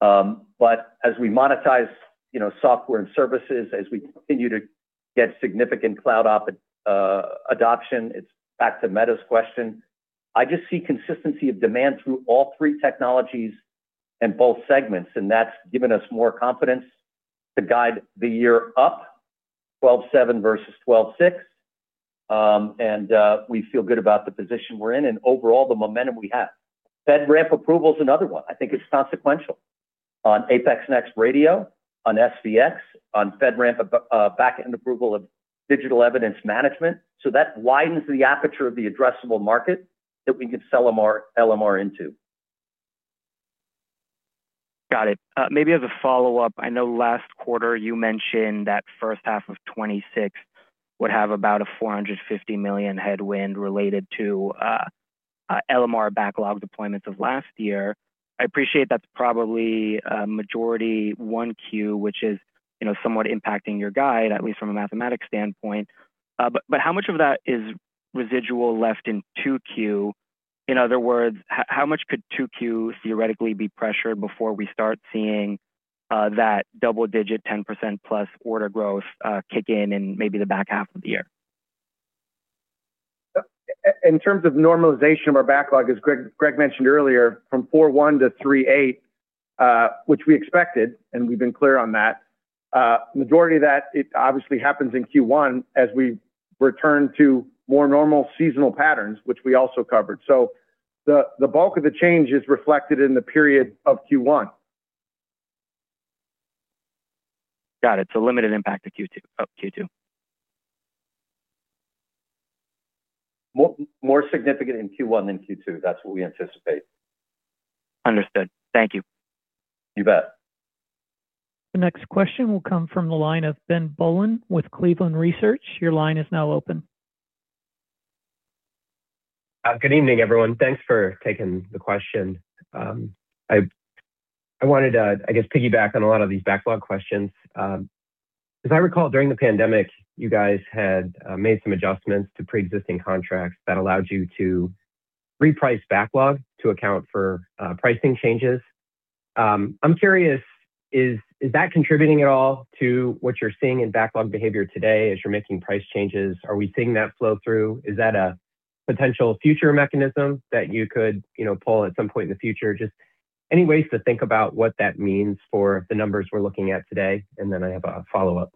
Speaker 3: But as we monetize Software and Services, as we continue to get significant cloud adoption, it's back to Meta's question. I just see consistency of demand through all three technologies and both segments. That's given us more confidence to guide the year up, 12/2027 versus 12/2026. We feel good about the position we're in and overall the momentum we have. FedRAMP approval's another one. I think it's consequential on APX NEXT radio, on SVX, on FedRAMP backend approval of digital evidence management. So that widens the aperture of the addressable market that we can sell LMR into.
Speaker 14: Got it. Maybe as a follow-up, I know last quarter, you mentioned that first half of 2026 would have about a $450 million headwind related to LMR backlog deployments of last year. I appreciate that's probably majority Q1, which is somewhat impacting your guide, at least from a mathematics standpoint. But how much of that is residual left in Q2? In other words, how much could Q2 theoretically be pressured before we start seeing that double-digit 10%+ order growth kick in in maybe the back half of the year?
Speaker 7: In terms of normalization of our backlog, as Greg mentioned earlier, from 4/1 to 3/8, which we expected, and we've been clear on that, majority of that, it obviously happens in Q1 as we return to more normal seasonal patterns, which we also covered. So the bulk of the change is reflected in the period of Q1.
Speaker 14: Got it. So limited impact to Q2.
Speaker 3: More significant in Q1 than Q2. That's what we anticipate.
Speaker 14: Understood. Thank you.
Speaker 3: You bet.
Speaker 1: The next question will come from the line of Ben Bollin with Cleveland Research. Your line is now open.
Speaker 15: Good evening, everyone. Thanks for taking the question. I wanted to, I guess, piggyback on a lot of these backlog questions. As I recall, during the pandemic, you guys had made some adjustments to pre-existing contracts that allowed you to reprice backlog to account for pricing changes. I'm curious, is that contributing at all to what you're seeing in backlog behavior today as you're making price changes? Are we seeing that flow through? Is that a potential future mechanism that you could pull at some point in the future? Just any ways to think about what that means for the numbers we're looking at today? And then I have a follow-up.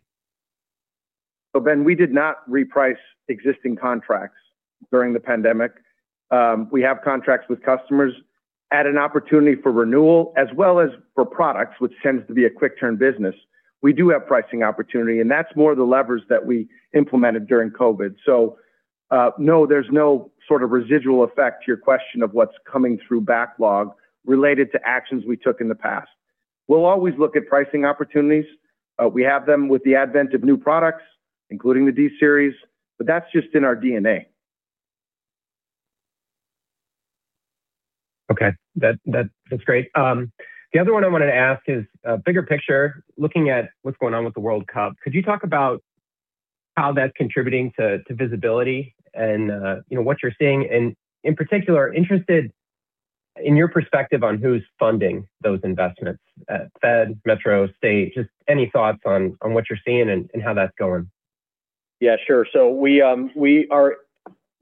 Speaker 3: So Ben, we did not reprice existing contracts during the pandemic. We have contracts with customers at an opportunity for renewal as well as for products, which tends to be a quick-turn business. We do have pricing opportunity, and that's more the levers that we implemented during COVID. So no, there's no sort of residual effect to your question of what's coming through backlog related to actions we took in the past. We'll always look at pricing opportunities. We have them with the advent of new products, including the D-Series, but that's just in our DNA.
Speaker 15: Okay. That's great. The other one I wanted to ask is a bigger picture, looking at what's going on with the World Cup. Could you talk about how that's contributing to visibility and what you're seeing? And in particular, interested in your perspective on who's funding those investments: Fed, Metro, state, just any thoughts on what you're seeing and how that's going?
Speaker 3: Yeah, sure. So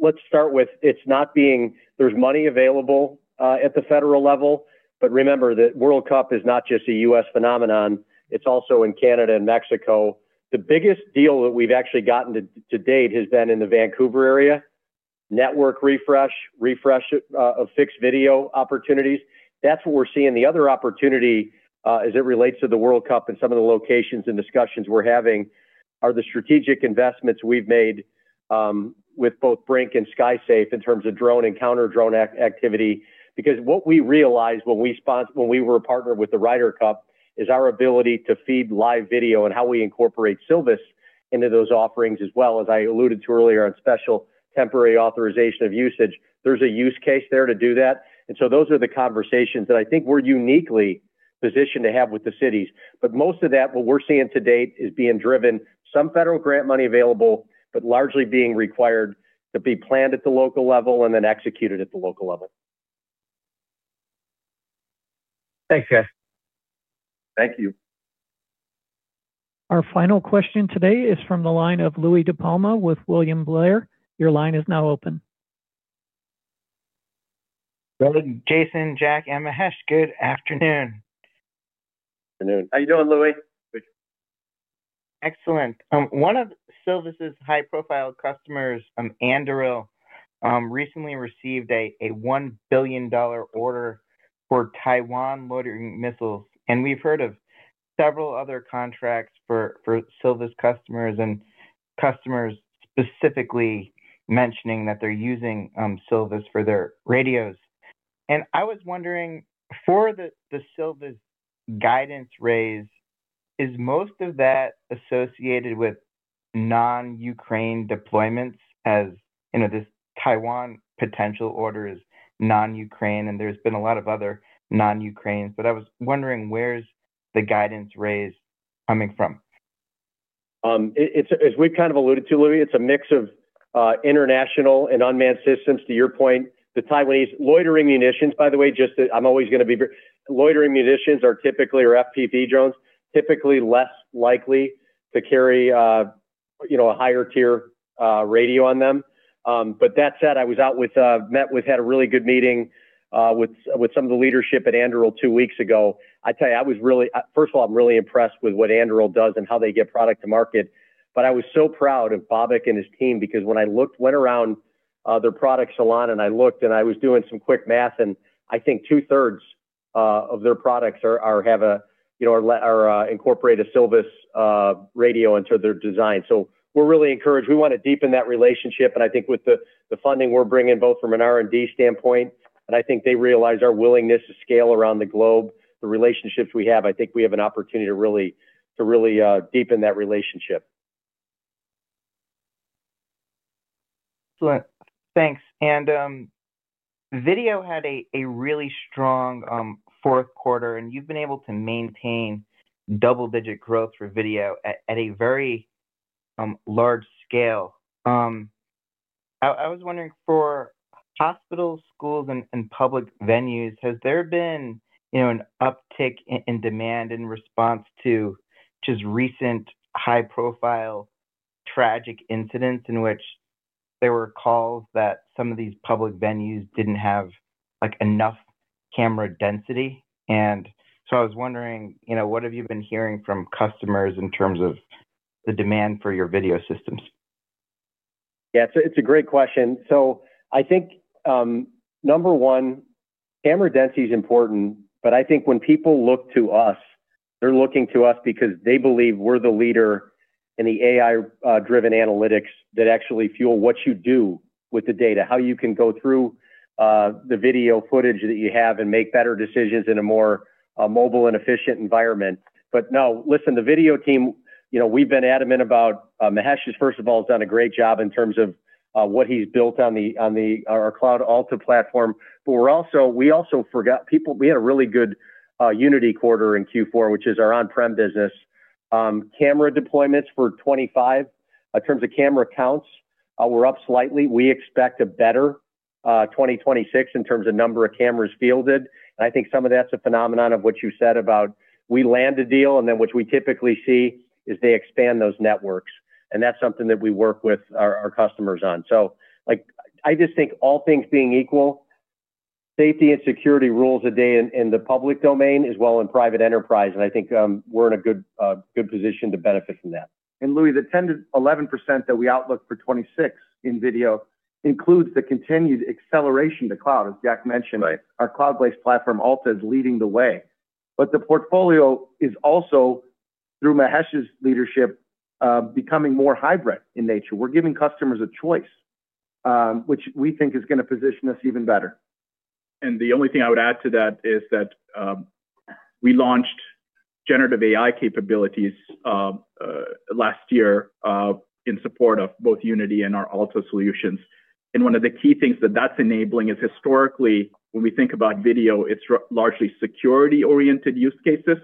Speaker 3: let's start with it's not being there's money available at the federal level. But remember that World Cup is not just a U.S. phenomenon. It's also in Canada and Mexico. The biggest deal that we've actually gotten to date has been in the Vancouver area, network refresh, refresh of fixed video opportunities. That's what we're seeing. The other opportunity, as it relates to the World Cup and some of the locations and discussions we're having, are the strategic investments we've made with both BRINC and SkySafe in terms of drone and counter-drone activity. Because what we realized when we were a partner with the Ryder Cup is our ability to feed live video and how we incorporate Silvus into those offerings as well. As I alluded to earlier on special temporary authorization of usage, there's a use case there to do that. So those are the conversations that I think we're uniquely positioned to have with the cities. Most of that, what we're seeing to date is being driven some federal grant money available, but largely being required to be planned at the local level and then executed at the local level.
Speaker 15: Thanks, guys.
Speaker 2: Thank you.
Speaker 1: Our final question today is from the line of Louie DiPalma with William Blair. Your line is now open.
Speaker 16: Good. Jason, Jack, and Mahesh, good afternoon.
Speaker 3: Good afternoon.
Speaker 7: How are you doing, Louie?
Speaker 16: Excellent. One of Silvus's high-profile customers, Anduril, recently received a $1 billion order for Taiwan loitering missiles. And we've heard of several other contracts for Silvus customers and customers specifically mentioning that they're using Silvus for their radios. And I was wondering, for the Silvus guidance raise, is most of that associated with non-Ukraine deployments as this Taiwan potential order is non-Ukraine, and there's been a lot of other non-Ukraines. But I was wondering, where's the guidance raise coming from?
Speaker 17: As we kind of alluded to, Louie, it's a mix of international and unmanned systems. To your point, the Taiwanese loitering munitions, by the way, just—I'm always going to say—loitering munitions are typically or FPV drones typically less likely to carry a higher-tier radio on them. But that said, I had a really good meeting with some of the leadership at Anduril two weeks ago. I tell you, first of all, I'm really impressed with what Anduril does and how they get product to market. But I was so proud of Babak and his team because when I went around their product salon and I looked, and I was doing some quick math, and I think two-thirds of their products have or incorporate a Silvus radio into their design. So we're really encouraged. We want to deepen that relationship. I think with the funding we're bringing both from an R&D standpoint, and I think they realize our willingness to scale around the globe, the relationships we have, I think we have an opportunity to really deepen that relationship.
Speaker 16: Excellent. Thanks. And video had a really strong fourth quarter, and you've been able to maintain double-digit growth for video at a very large scale. I was wondering, for hospitals, schools, and public venues, has there been an uptick in demand in response to just recent high-profile tragic incidents in which there were calls that some of these public venues didn't have enough camera density? And so I was wondering, what have you been hearing from customers in terms of the demand for your video systems?
Speaker 4: Yeah, it's a great question. So I think, number one, camera density is important. But I think when people look to us, they're looking to us because they believe we're the leader in the AI-driven analytics that actually fuel what you do with the data, how you can go through the video footage that you have and make better decisions in a more mobile and efficient environment. But no, listen, the video team, we've been adamant about Mahesh's, first of all, has done a great job in terms of what he's built on our cloud Alta platform. But we also forgot people we had a really good Unity quarter in Q4, which is our on-prem business. Camera deployments for 2025, in terms of camera counts, we're up slightly. We expect a better 2026 in terms of number of cameras fielded. I think some of that's a phenomenon of what you said about we land a deal, and then what we typically see is they expand those networks. And that's something that we work with our customers on. So I just think all things being equal, safety and security rules the day in the public domain as well as in private enterprise. And I think we're in a good position to benefit from that. Louie, the 10%-11% that we outlook for 2026 in video includes the continued acceleration to cloud. As Jack mentioned, our cloud-based platform Alta is leading the way. But the portfolio is also, through Mahesh's leadership, becoming more hybrid in nature. We're giving customers a choice, which we think is going to position us even better.
Speaker 7: The only thing I would add to that is that we launched generative AI capabilities last year in support of both Unity and our Alta solutions. One of the key things that that's enabling is, historically, when we think about video, it's largely security-oriented use cases.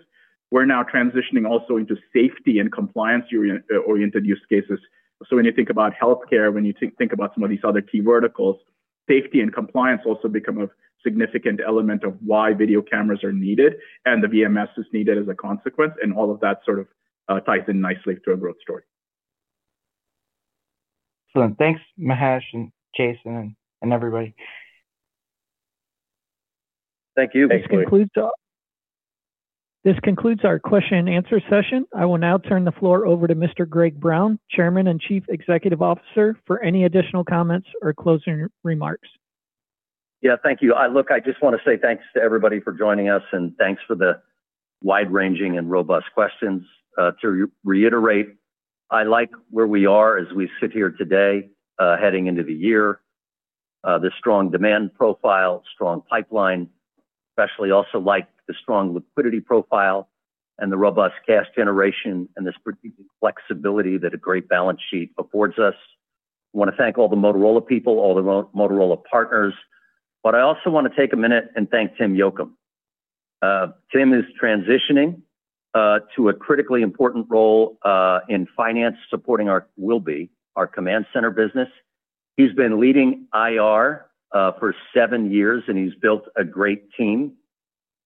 Speaker 7: We're now transitioning also into safety and compliance-oriented use cases. So when you think about healthcare, when you think about some of these other key verticals, safety and compliance also become a significant element of why video cameras are needed and the VMS is needed as a consequence. All of that sort of ties in nicely to a growth story.
Speaker 16: Excellent. Thanks, Mahesh and Jason and everybody.
Speaker 7: Thank you.
Speaker 1: This concludes our question-and-answer session. I will now turn the floor over to Mr. Greg Brown, Chairman and Chief Executive Officer, for any additional comments or closing remarks.
Speaker 3: Yeah, thank you. Look, I just want to say thanks to everybody for joining us, and thanks for the wide-ranging and robust questions. To reiterate, I like where we are as we sit here today heading into the year, the strong demand profile, strong pipeline. Especially also like the strong liquidity profile and the robust cash generation and this strategic flexibility that a great balance sheet affords us. I want to thank all the Motorola people, all the Motorola partners. But I also want to take a minute and thank Tim Yocum. Tim is transitioning to a critically important role in finance supporting our command center business. He's been leading IR for seven years, and he's built a great team.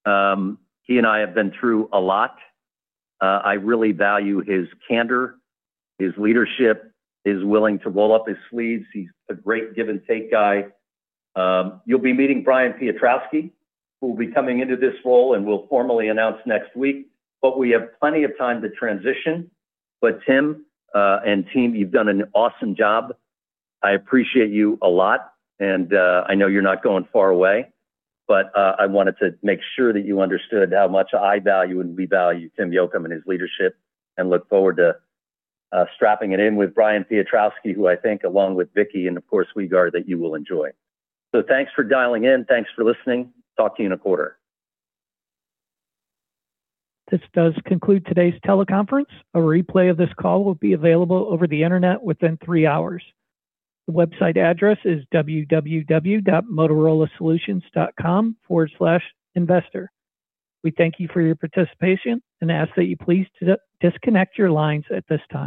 Speaker 3: He and I have been through a lot. I really value his candor, his leadership, his willingness to roll up his sleeves. He's a great give-and-take guy. You'll be meeting Brian Piotrowski, who will be coming into this role and will formally announce next week. But we have plenty of time to transition. But Tim and team, you've done an awesome job. I appreciate you a lot. And I know you're not going far away. But I wanted to make sure that you understood how much I value and we value Tim Yocum and his leadership and look forward to strapping it in with Brian Piotrowski, who I think, along with Vicki and, of course, Wigar, that you will enjoy. So thanks for dialing in. Thanks for listening. Talk to you in a quarter.
Speaker 1: This does conclude today's teleconference. A replay of this call will be available over the internet within 3 hours. The website address is www.motorolasolutions.com/investor. We thank you for your participation and ask that you please disconnect your lines at this time.